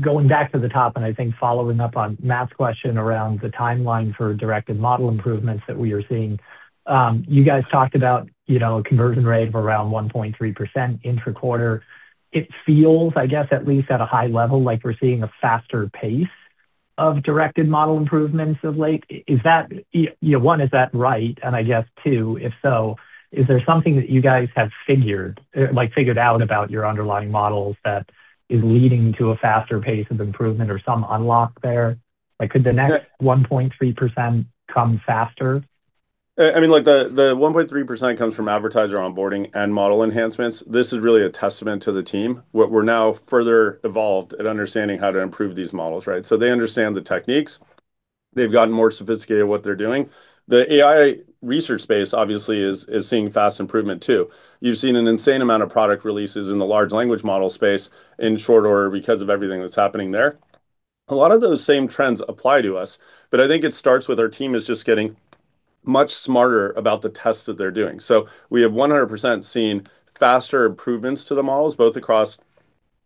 going back to the top and I think following up on Matt's question around the timeline for directed model improvements that we are seeing. You guys talked about, you know, conversion rate of around 1.3% intra-quarter. It feels, I guess, at least at a high level, like we're seeing a faster pace of directed model improvements of late. Is that you know, one, is that right? I guess two, if so, is there something that you guys have figured out about your underlying models that is leading to a faster pace of improvement or some unlock there? Like could the next 1.3% come faster? I mean, like the 1.3% comes from advertiser onboarding and model enhancements. This is really a testament to the team. What we're now further evolved at understanding how to improve these models, right? They understand the techniques. They've gotten more sophisticated at what they're doing. The AI research space obviously is seeing fast improvement too. You've seen an insane amount of product releases in the large language model space in short order because of everything that's happening there. A lot of those same trends apply to us, but I think it starts with our team is just getting much smarter about the tests that they're doing. We have 100% seen faster improvements to the models, both across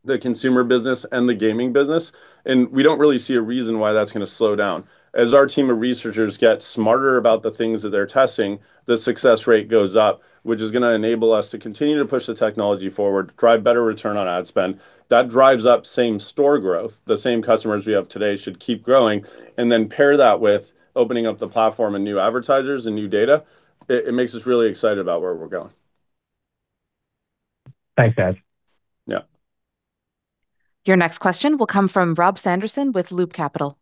the consumer business and the gaming business, and we don't really see a reason why that's gonna slow down. As our team of researchers get smarter about the things that they're testing, the success rate goes up, which is gonna enable us to continue to push the technology forward, drive better return on ad spend. That drives up same store growth. The same customers we have today should keep growing. Pair that with opening up the platform and new advertisers and new data, it makes us really excited about where we're going. Thanks, guys. Yeah. Your next question will come from Rob Sanderson with Loop Capital.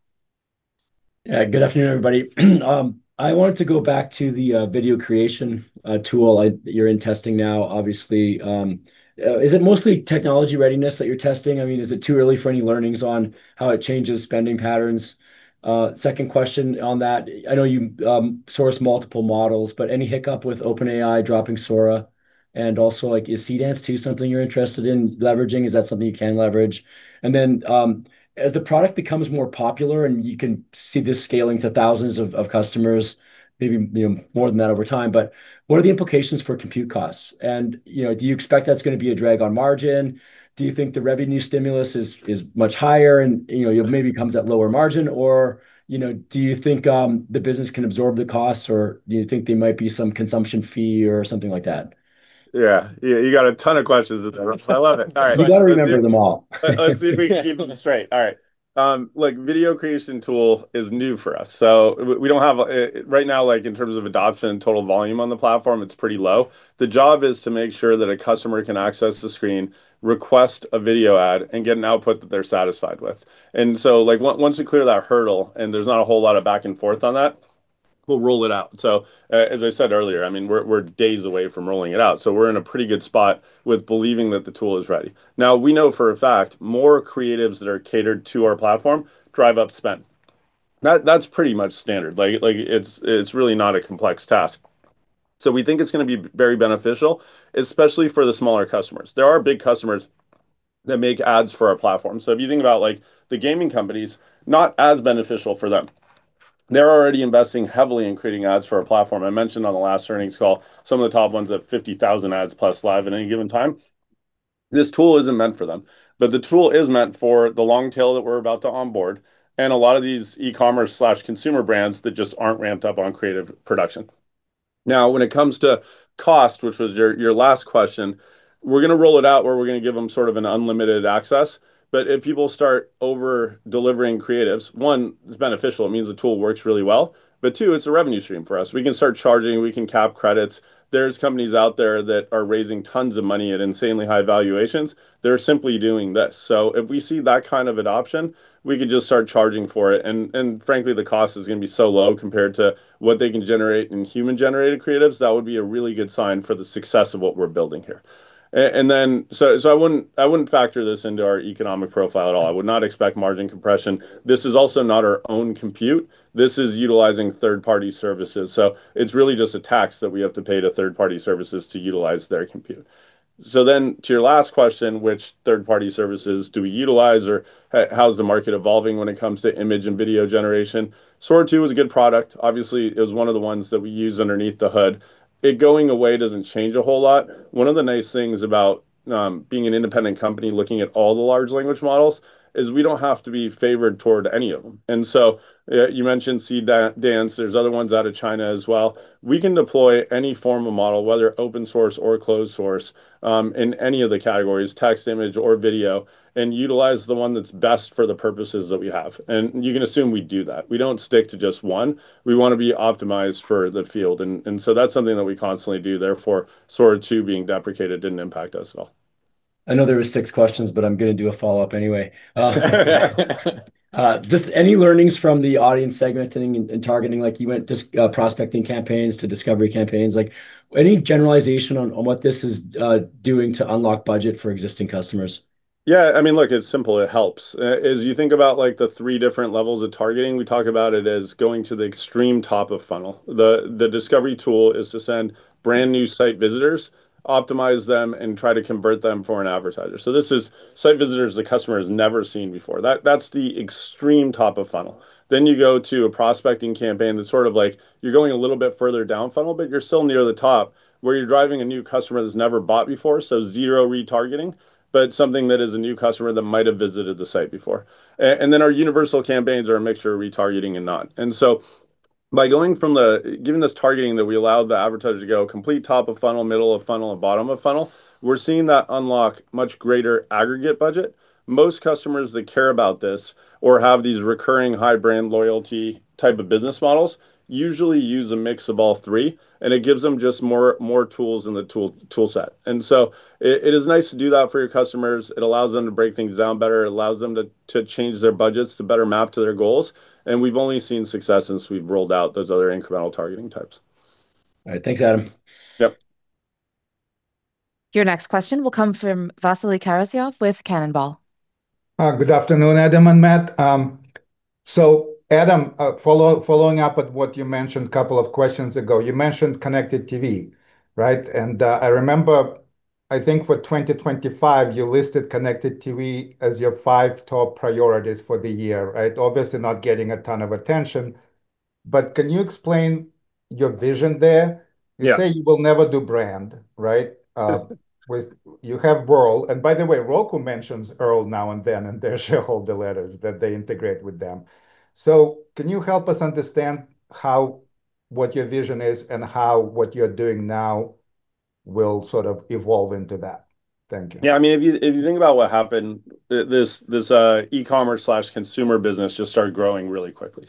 Yeah. Good afternoon, everybody. I wanted to go back to the video creation tool you're in testing now, obviously. Is it mostly technology readiness that you're testing? I mean, is it too early for any learnings on how it changes spending patterns? Second question on that. I know you source multiple models, but any hiccup with OpenAI dropping Sora? Also, like is Seedance too something you're interested in leveraging? Is that something you can leverage? As the product becomes more popular and you can see this scaling to thousands of customers, maybe, you know, more than that over time, but what are the implications for compute costs? You know, do you expect that's gonna be a drag on margin? Do you think the revenue stimulus is much higher and, you know, it maybe comes at lower margin? Or, you know, do you think the business can absorb the costs, or do you think there might be some consumption fee or something like that? Yeah. Yeah, you got a ton of questions at once. I love it. All right. You gotta remember them all. Let's see if we can keep them straight. All right. Look, video creation tool is new for us, so we don't have Right now, like in terms of adoption and total volume on the platform, it's pretty low. The job is to make sure that a customer can access the screen, request a video ad, and get an output that they're satisfied with. Like once we clear that hurdle and there's not a whole lot of back and forth on that, we'll roll it out. As I said earlier, I mean, we're days away from rolling it out, so we're in a pretty good spot with believing that the tool is ready. We know for a fact more creatives that are catered to our platform drive up spend. That's pretty much standard. Like it's really not a complex task. We think it's gonna be very beneficial, especially for the smaller customers. There are big customers that make ads for our platform. If you think about like the gaming companies, not as beneficial for them. They're already investing heavily in creating ads for our platform. I mentioned on the last earnings call some of the top ones have 50,000 ads plus live at any given time. This tool isn't meant for them, but the tool is meant for the long tail that we're about to onboard and a lot of these e-commerce/consumer brands that just aren't ramped up on creative production. When it comes to cost, which was your last question, we're gonna roll it out where we're gonna give them sort of an unlimited access. If people start over-delivering creatives, one, it's beneficial, it means the tool works really well, but two, it's a revenue stream for us. We can start charging, we can cap credits. There's companies out there that are raising tons of money at insanely high valuations that are simply doing this. If we see that kind of adoption, we can just start charging for it and frankly, the cost is gonna be so low compared to what they can generate in human-generated creatives. That would be a really good sign for the success of what we're building here. I wouldn't factor this into our economic profile at all. I would not expect margin compression. This is also not our own compute. This is utilizing third-party services, so it's really just a tax that we have to pay to third-party services to utilize their compute. To your last question, which third-party services do we utilize or how's the market evolving when it comes to image and video generation, Sora 2 is a good product. Obviously, it is one of the ones that we use underneath the hood. It going away doesn't change a whole lot. One of the nice things about being an independent company looking at all the large language models is we don't have to be favored toward any of them. You mentioned Seedance, there's other ones out of China as well. We can deploy any form of model, whether open source or closed source, in any of the categories, text, image, or video, and utilize the one that's best for the purposes that we have, and you can assume we'd do that. We don't stick to just one. We wanna be optimized for the field and so that's something that we constantly do. Sora 2 being deprecated didn't impact us at all. I know there were six questions, but I'm gonna do a follow-up anyway. Just any learnings from the audience segmenting and targeting, like you went just prospecting campaigns to discovery campaigns? Any generalization on what this is doing to unlock budget for existing customers? Yeah, I mean, look, it's simple. It helps. As you think about, like, the three different levels of targeting, we talk about it as going to the extreme top of funnel. The discovery tool is to send brand-new site visitors, optimize them, and try to convert them for an advertiser. This is site visitors the customer has never seen before. That's the extreme top of funnel. You go to a prospecting campaign that's sort of like you're going a little bit further down funnel, but you're still near the top, where you're driving a new customer that's never bought before, so zero retargeting, but something that is a new customer that might have visited the site before. Then our universal campaigns are a mixture of retargeting and not. By going from the Given this targeting that we allow the advertiser to go complete top of funnel, middle of funnel, and bottom of funnel, we're seeing that unlock much greater aggregate budget. Most customers that care about this or have these recurring high brand loyalty type of business models usually use a mix of all three, and it gives them just more tools in the tool set. It is nice to do that for your customers. It allows them to break things down better. It allows them to change their budgets to better map to their goals. We've only seen success since we've rolled out those other incremental targeting types. All right. Thanks, Adam. Your next question will come from Vasily Karasyov with Cannonball. Good afternoon, Adam and Matt. Adam, following up with what you mentioned couple of questions ago, you mentioned Connected TV, right? I remember, I think for 2025, you listed Connected TV as your five top priorities for the year, right? Obviously not getting a ton of attention, can you explain your vision there? Yeah. You say you will never do brand, right? Yeah. You have Wurl, and by the way, Roku mentions Wurl now and then in their shareholder letters, that they integrate with them. Can you help us understand how, what your vision is and how what you're doing now will sort of evolve into that? Thank you. Yeah, I mean, if you think about what happened, this e-commerce/consumer business just started growing really quickly.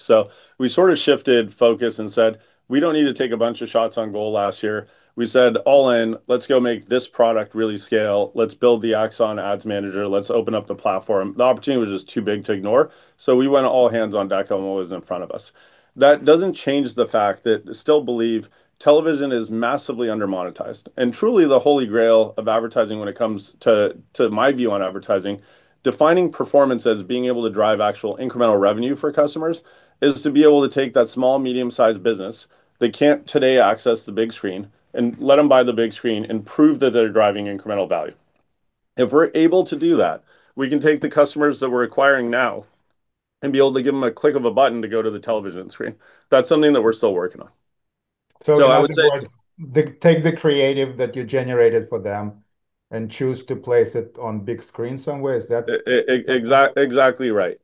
We sort of shifted focus and said, "We don't need to take a bunch of shots on goal last year." We said, "All in, let's go make this product really scale. Let's build the Axon Ads Manager. Let's open up the platform." The opportunity was just too big to ignore, we went all hands on deck on what was in front of us. That doesn't change the fact that I still believe television is massively under-monetized, and truly the holy grail of advertising when it comes to my view on advertising, defining performance as being able to drive actual incremental revenue for customers, is to be able to take that small, medium-sized business that can't today access the big screen and let them buy the big screen and prove that they're driving incremental value. If we're able to do that, we can take the customers that we're acquiring now and be able to give them a click of a button to go to the television screen. That's something that we're still working on. In other words, take the creative that you generated for them and choose to place it on big screen somewhere, is that? Exactly right,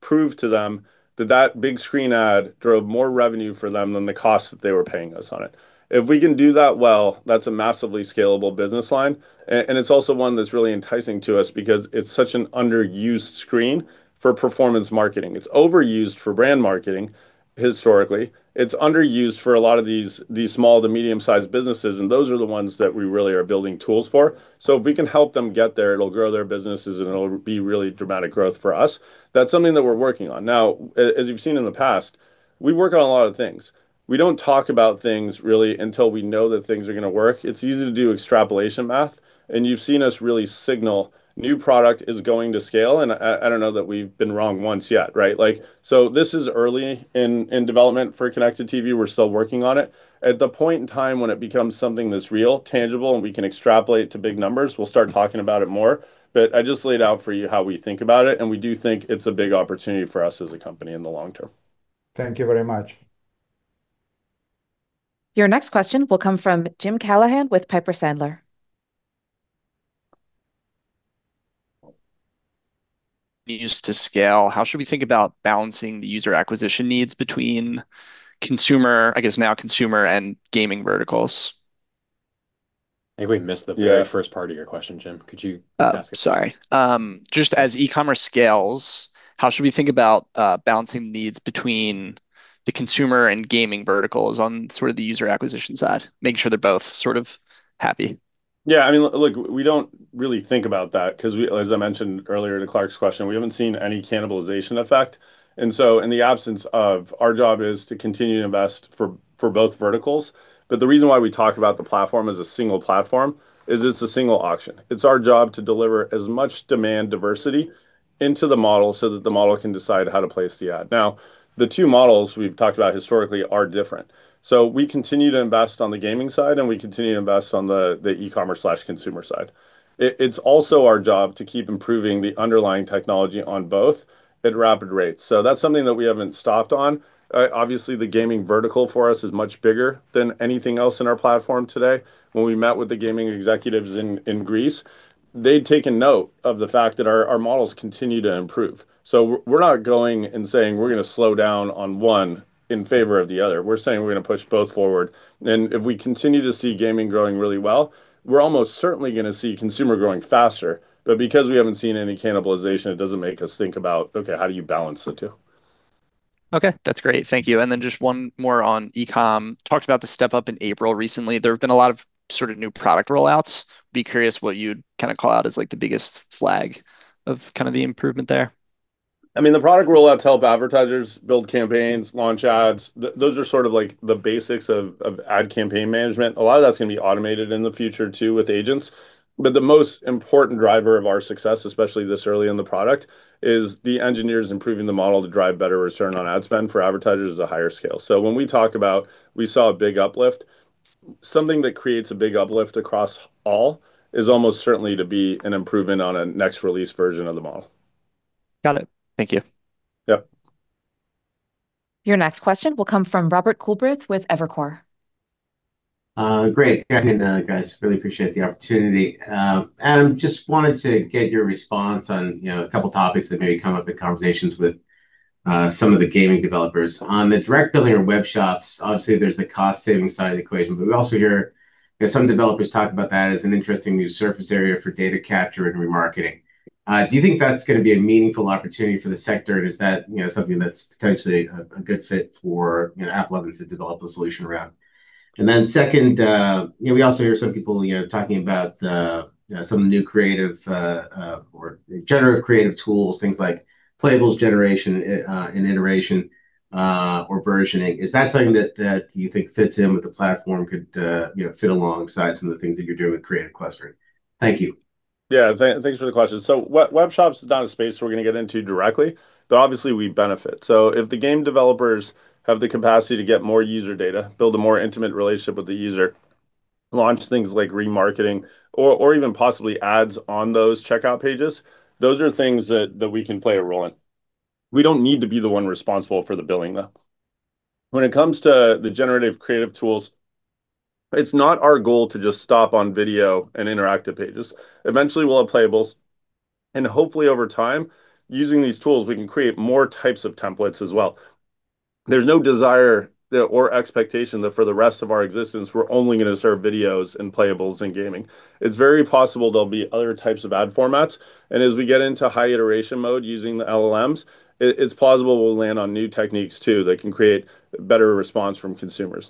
prove to them that that big screen ad drove more revenue for them than the cost that they were paying us on it. If we can do that well, that's a massively scalable business line and it's also one that's really enticing to us because it's such an underused screen for performance marketing. It's overused for brand marketing historically. It's underused for a lot of these small to medium-sized businesses, and those are the ones that we really are building tools for. If we can help them get there, it'll grow their businesses and it'll be really dramatic growth for us. That's something that we're working on. As you've seen in the past, we work on a lot of things. We don't talk about things really until we know that things are gonna work. It's easy to do extrapolation math. You've seen us really signal new product is going to scale. I don't know that we've been wrong once yet, right? This is early in development for Connected TV. We're still working on it. At the point in time when it becomes something that's real, tangible, and we can extrapolate to big numbers, we'll start talking about it more. I just laid out for you how we think about it, and we do think it's a big opportunity for us as a company in the long term. Thank you very much. Your next question will come from James Callahan with Piper Sandler. Used to scale, how should we think about balancing the user acquisition needs between consumer, I guess now consumer and gaming verticals? I think we missed the very first part of your question, Jim. Could you ask it? Oh, sorry. Just as e-commerce scales, how should we think about balancing needs between the consumer and gaming verticals on sort of the user acquisition side, making sure they're both sort of happy? Yeah, I mean, look, we don't really think about that 'cause we, as I mentioned earlier to Clark's question, we haven't seen any cannibalization effect. Our job is to continue to invest for both verticals. The reason why we talk about the platform as a single platform is it's a single auction. It's our job to deliver as much demand diversity into the model so that the model can decide how to place the ad. The two models we've talked about historically are different. We continue to invest on the gaming side, and we continue to invest on the e-commerce/consumer side. It's also our job to keep improving the underlying technology on both at rapid rates. That's something that we haven't stopped on. Obviously, the gaming vertical for us is much bigger than anything else in our platform today. When we met with the gaming executives in Greece, they'd taken note of the fact that our models continue to improve. We're not going and saying we're gonna slow down on 1 in favor of the other. We're saying we're gonna push both forward. If we continue to see gaming growing really well, we're almost certainly gonna see consumer growing faster. Because we haven't seen any cannibalization, it doesn't make us think about, okay, how do you balance the two? Okay. That's great. Thank you. Just one more on e-com. Talked about the step up in April recently. There have been a lot of sort of new product rollouts. Be curious what you'd kind of call out as, like, the biggest flag of kind of the improvement there. I mean, the product rollouts help advertisers build campaigns, launch ads. Those are sort of, like, the basics of ad campaign management. A lot of that's gonna be automated in the future too with agents. The most important driver of our success, especially this early in the product, is the engineers improving the model to drive better return on ad spend for advertisers at a higher scale. When we talk about we saw a big uplift, something that creates a big uplift across all is almost certainly to be an improvement on a next release version of the model. Got it. Thank you. Your next question will come from Robert Culbreth with Evercore. Great. Good afternoon, guys. Really appreciate the opportunity. Adam, just wanted to get your response on, you know, a couple topics that maybe come up in conversations with some of the gaming developers. On the direct billing or web shops, obviously there's the cost-saving side of the equation. We also hear, you know, some developers talk about that as an interesting new surface area for data capture and remarketing. Do you think that's gonna be a meaningful opportunity for the sector? Is that, you know, something that's potentially a good fit for, you know, AppLovin to develop a solution around? Second, you know, we also hear some people, you know, talking about, you know, some new creative or generative creative tools, things like playables generation, and iteration or versioning. Is that something that you think fits in with the platform, could, you know, fit alongside some of the things that you're doing with creative clustering? Thank you. Yeah. Thanks for the question. web shops is not a space we're gonna get into directly, but obviously we benefit. If the game developers have the capacity to get more user data, build a more intimate relationship with the user, launch things like remarketing or even possibly ads on those checkout pages, those are things that we can play a role in. We don't need to be the one responsible for the billing, though. When it comes to the generative creative tools, it's not our goal to just stop on video and interactive pages. Eventually we'll have playables, and hopefully over time, using these tools, we can create more types of templates as well. There's no desire or expectation that for the rest of our existence we're only gonna serve videos and playables in gaming. It's very possible there'll be other types of ad formats. As we get into high iteration mode using the LLMs, it's plausible we'll land on new techniques too that can create better response from consumers.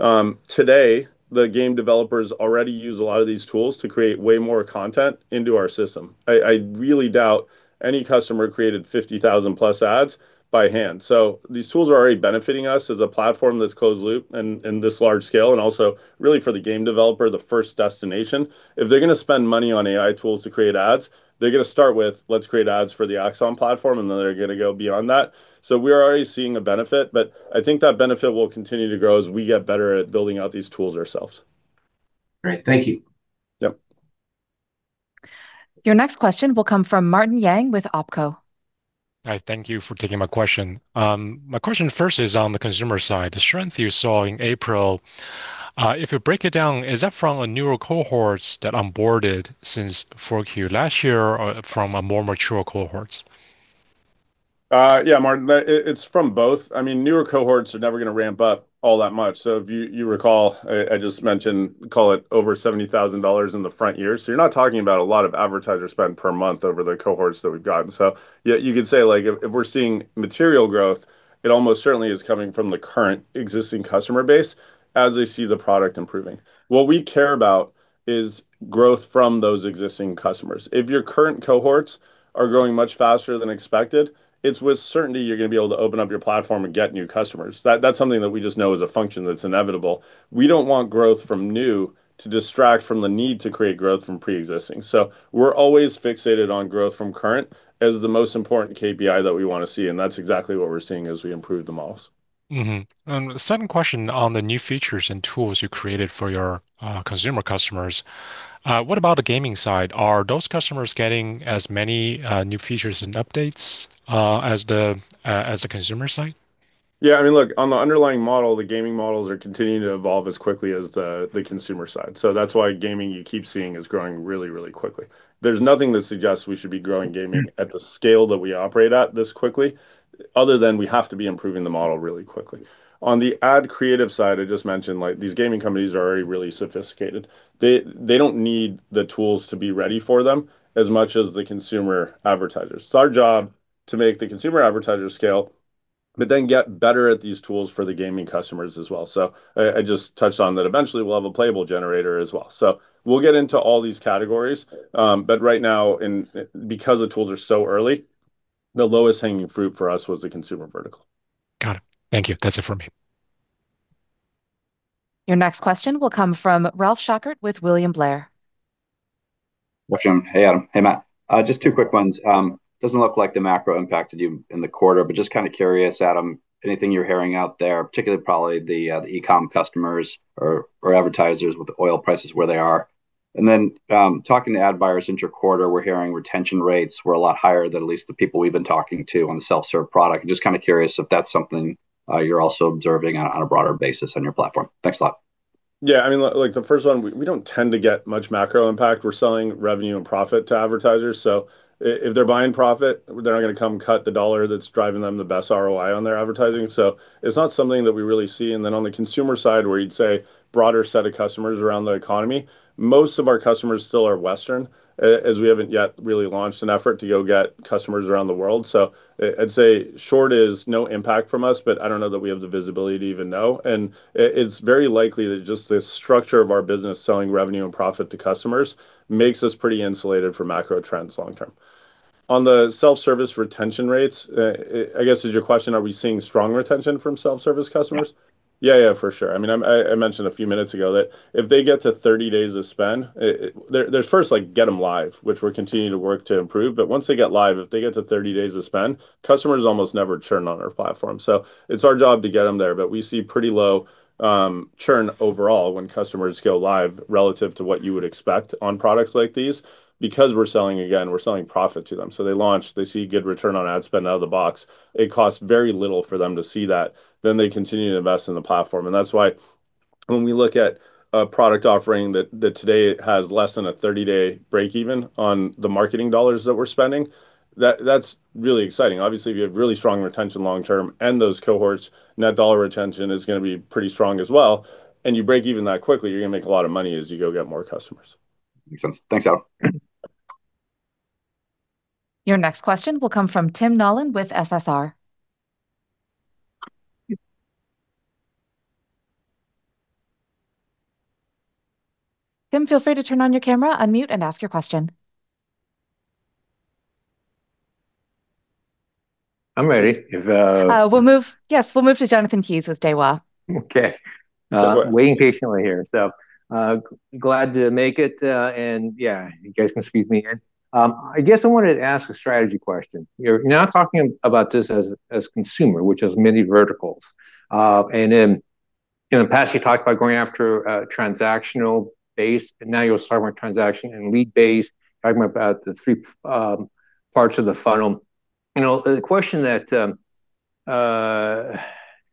Now, today, the game developers already use a lot of these tools to create way more content into our system. I really doubt any customer created 50,000 plus ads by hand. These tools are already benefiting us as a platform that's closed loop and in this large scale, and also really for the game developer, the first destination. If they're gonna spend money on AI tools to create ads, they're gonna start with, "Let's create ads for the Axon platform." Then they're gonna go beyond that. We're already seeing a benefit, but I think that benefit will continue to grow as we get better at building out these tools ourselves. Great. Thank you. Your next question will come from Martin Yang with Oppenheimer & Co. Hi. Thank you for taking my question. My question first is on the consumer side. The strength you saw in April, if you break it down, is that from the newer cohorts that onboarded since Q4 last year or from a more mature cohorts? Yeah, Martin, that, it's from both. I mean, newer cohorts are never gonna ramp up all that much. If you recall, I just mentioned, call it over $70,000 in the front year. You're not talking about a lot of advertiser spend per month over the cohorts that we've gotten. Yeah, you could say, like, if we're seeing material growth, it almost certainly is coming from the current existing customer base as they see the product improving. What we care about is growth from those existing customers. If your current cohorts are growing much faster than expected, it's with certainty you're gonna be able to open up your platform and get new customers. That's something that we just know is a function that's inevitable. We don't want growth from new to distract from the need to create growth from preexisting. We're always fixated on growth from current as the most important KPI that we wanna see, and that's exactly what we're seeing as we improve the models. Second question on the new features and tools you created for your consumer customers. What about the gaming side? Are those customers getting as many new features and updates as the consumer side? I mean, look, on the underlying model, the gaming models are continuing to evolve as quickly as the consumer side. That's why gaming you keep seeing is growing really, really quickly. There's nothing that suggests we should be growing gaming at the scale that we operate at this quickly, other than we have to be improving the model really quickly. On the ad creative side, I just mentioned, like, these gaming companies are already really sophisticated. They don't need the tools to be ready for them as much as the consumer advertisers. It's our job to make the consumer advertisers scale, get better at these tools for the gaming customers as well. I just touched on that eventually we'll have a playable generator as well. We'll get into all these categories, but right now in, because the tools are so early, the lowest hanging fruit for us was the consumer vertical. Got it. Thank you. That's it for me. Your next question will come from Ralph Schackart with William Blair. Good afternoon. Hey, Adam. Hey, Matt. Just two quick ones. Doesn't look like the macro impacted you in the quarter, but just kind of curious, Adam, anything you're hearing out there, particularly probably the e-com customers or advertisers with the oil prices where they are? Talking to ad buyers inter-quarter, we're hearing retention rates were a lot higher than at least the people we've been talking to on the self-serve product. Just kind of curious if that's something you're also observing on a broader basis on your platform. Thanks a lot. Yeah, I mean, like the first one, we don't tend to get much macro impact. We're selling revenue and profit to advertisers, if they're buying profit, they're not gonna come cut the dollar that's driving them the best ROI on their advertising. It's not something that we really see. On the consumer side where you'd say broader set of customers around the economy, most of our customers still are Western, as we haven't yet really launched an effort to go get customers around the world. I'd say short is no impact from us, I don't know that we have the visibility to even know. It's very likely that just the structure of our business selling revenue and profit to customers makes us pretty insulated from macro trends long term. On the self-service retention rates, I guess is your question, are we seeing strong retention from self-service customers? Yeah. Yeah, yeah, for sure. I mean, I mentioned a few minutes ago that if they get to 30 days of spend, there's first, like, get them live, which we're continuing to work to improve. Once they get live, if they get to 30 days of spend, customers almost never churn on our platform. It's our job to get them there. We see pretty low churn overall when customers go live relative to what you would expect on products like these, because we're selling, again, we're selling profit to them. They launch, they see good return on ad spend out of the box. It costs very little for them to see that, then they continue to invest in the platform. That's why when we look at a product offering that today has less than a 30-day break even on the marketing dollars that we're spending, that's really exciting. Obviously, if you have really strong retention long term and those cohorts, Net dollar retention is gonna be pretty strong as well, and you break even that quickly, you're gonna make a lot of money as you go get more customers. Makes sense. Thanks, Adam. Your next question will come from Tim Nollen with SSR. Tim, feel free to turn on your camera, unmute, and ask your question. I'm ready if. We'll move to Jonathan Kees with Daiwa. Okay. No problem. Waiting patiently here. Glad to make it, and yeah, you guys can squeeze me in. I guess I wanted to ask a strategy question. You're now talking about this as consumer, which has many verticals. In the past you talked about going after a transactional base, and now you're starting with transaction and lead base, talking about the three parts of the funnel. You know, the question that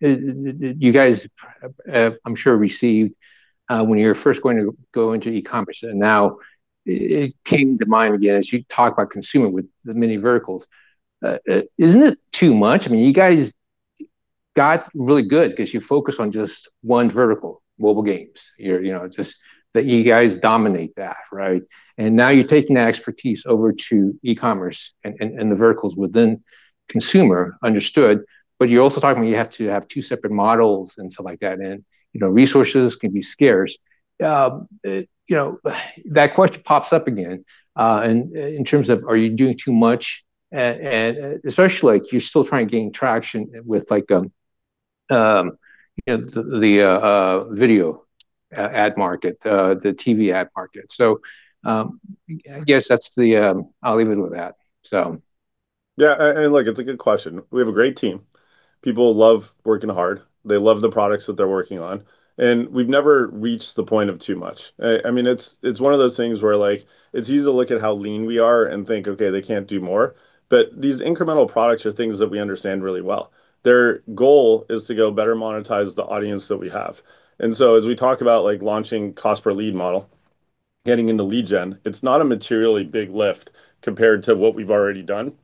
you guys I'm sure received, when you were first going to go into e-commerce, and now it came to mind again as you talk about consumer with the many verticals, isn't it too much? I mean, you guys got really good because you focus on just one vertical, mobile games. You're, you know, just that you guys dominate that, right? Now you're taking that expertise over to e-commerce and the verticals within consumer, understood, but you're also talking when you have to have two separate models and stuff like that, and, you know, resources can be scarce. You know, that question pops up again. In terms of are you doing too much, and especially, like, you're still trying to gain traction with, like, you know, the video ad market, the TV ad market. I guess that's the I'll leave it with that, so. Yeah. Look, it's a good question. We have a great team. People love working hard. They love the products that they're working on. We've never reached the point of too much. I mean, it's one of those things where, like, it's easy to look at how lean we are and think, "Okay, they can't do more," but these incremental products are things that we understand really well. Their goal is to go better monetize the audience that we have. As we talk about, like, launching cost per lead model, getting into lead gen, it's not a materially big lift compared to what we've already done,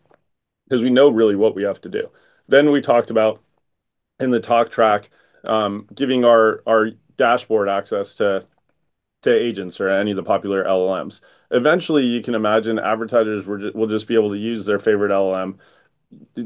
because we know really what we have to do. We talked about in the talk track, giving our dashboard access to agents or any of the popular LLMs. Eventually, you can imagine advertisers will just be able to use their favorite LLM,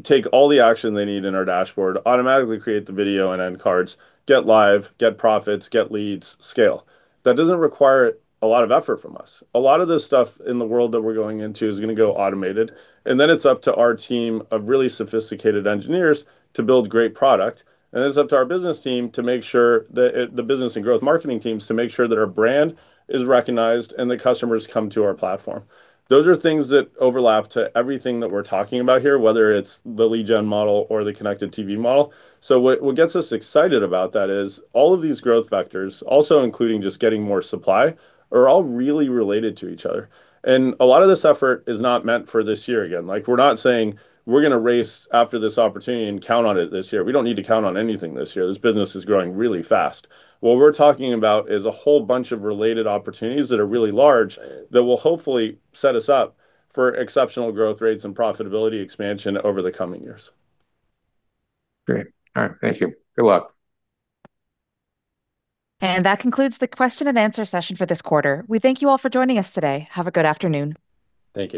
take all the action they need in our dashboard, automatically create the video and end cards, get live, get profits, get leads, scale. That doesn't require a lot of effort from us. A lot of this stuff in the world that we're going into is going to go automated, and then it's up to our team of really sophisticated engineers to build great product, and then it's up to our business team to make sure that the business and growth marketing teams to make sure that our brand is recognized and the customers come to our platform. Those are things that overlap to everything that we're talking about here, whether it's the lead gen model or the Connected TV model. What gets us excited about that is all of these growth factors, also including just getting more supply, are all really related to each other. A lot of this effort is not meant for this year, again. Like, we're not saying we're gonna race after this opportunity and count on it this year. We don't need to count on anything this year. This business is growing really fast. What we're talking about is a whole bunch of related opportunities that are really large that will hopefully set us up for exceptional growth rates and profitability expansion over the coming years. Great. All right. Thank you. Good luck. That concludes the question and answer session for this quarter. We thank you all for joining us today. Have a good afternoon. Thank you.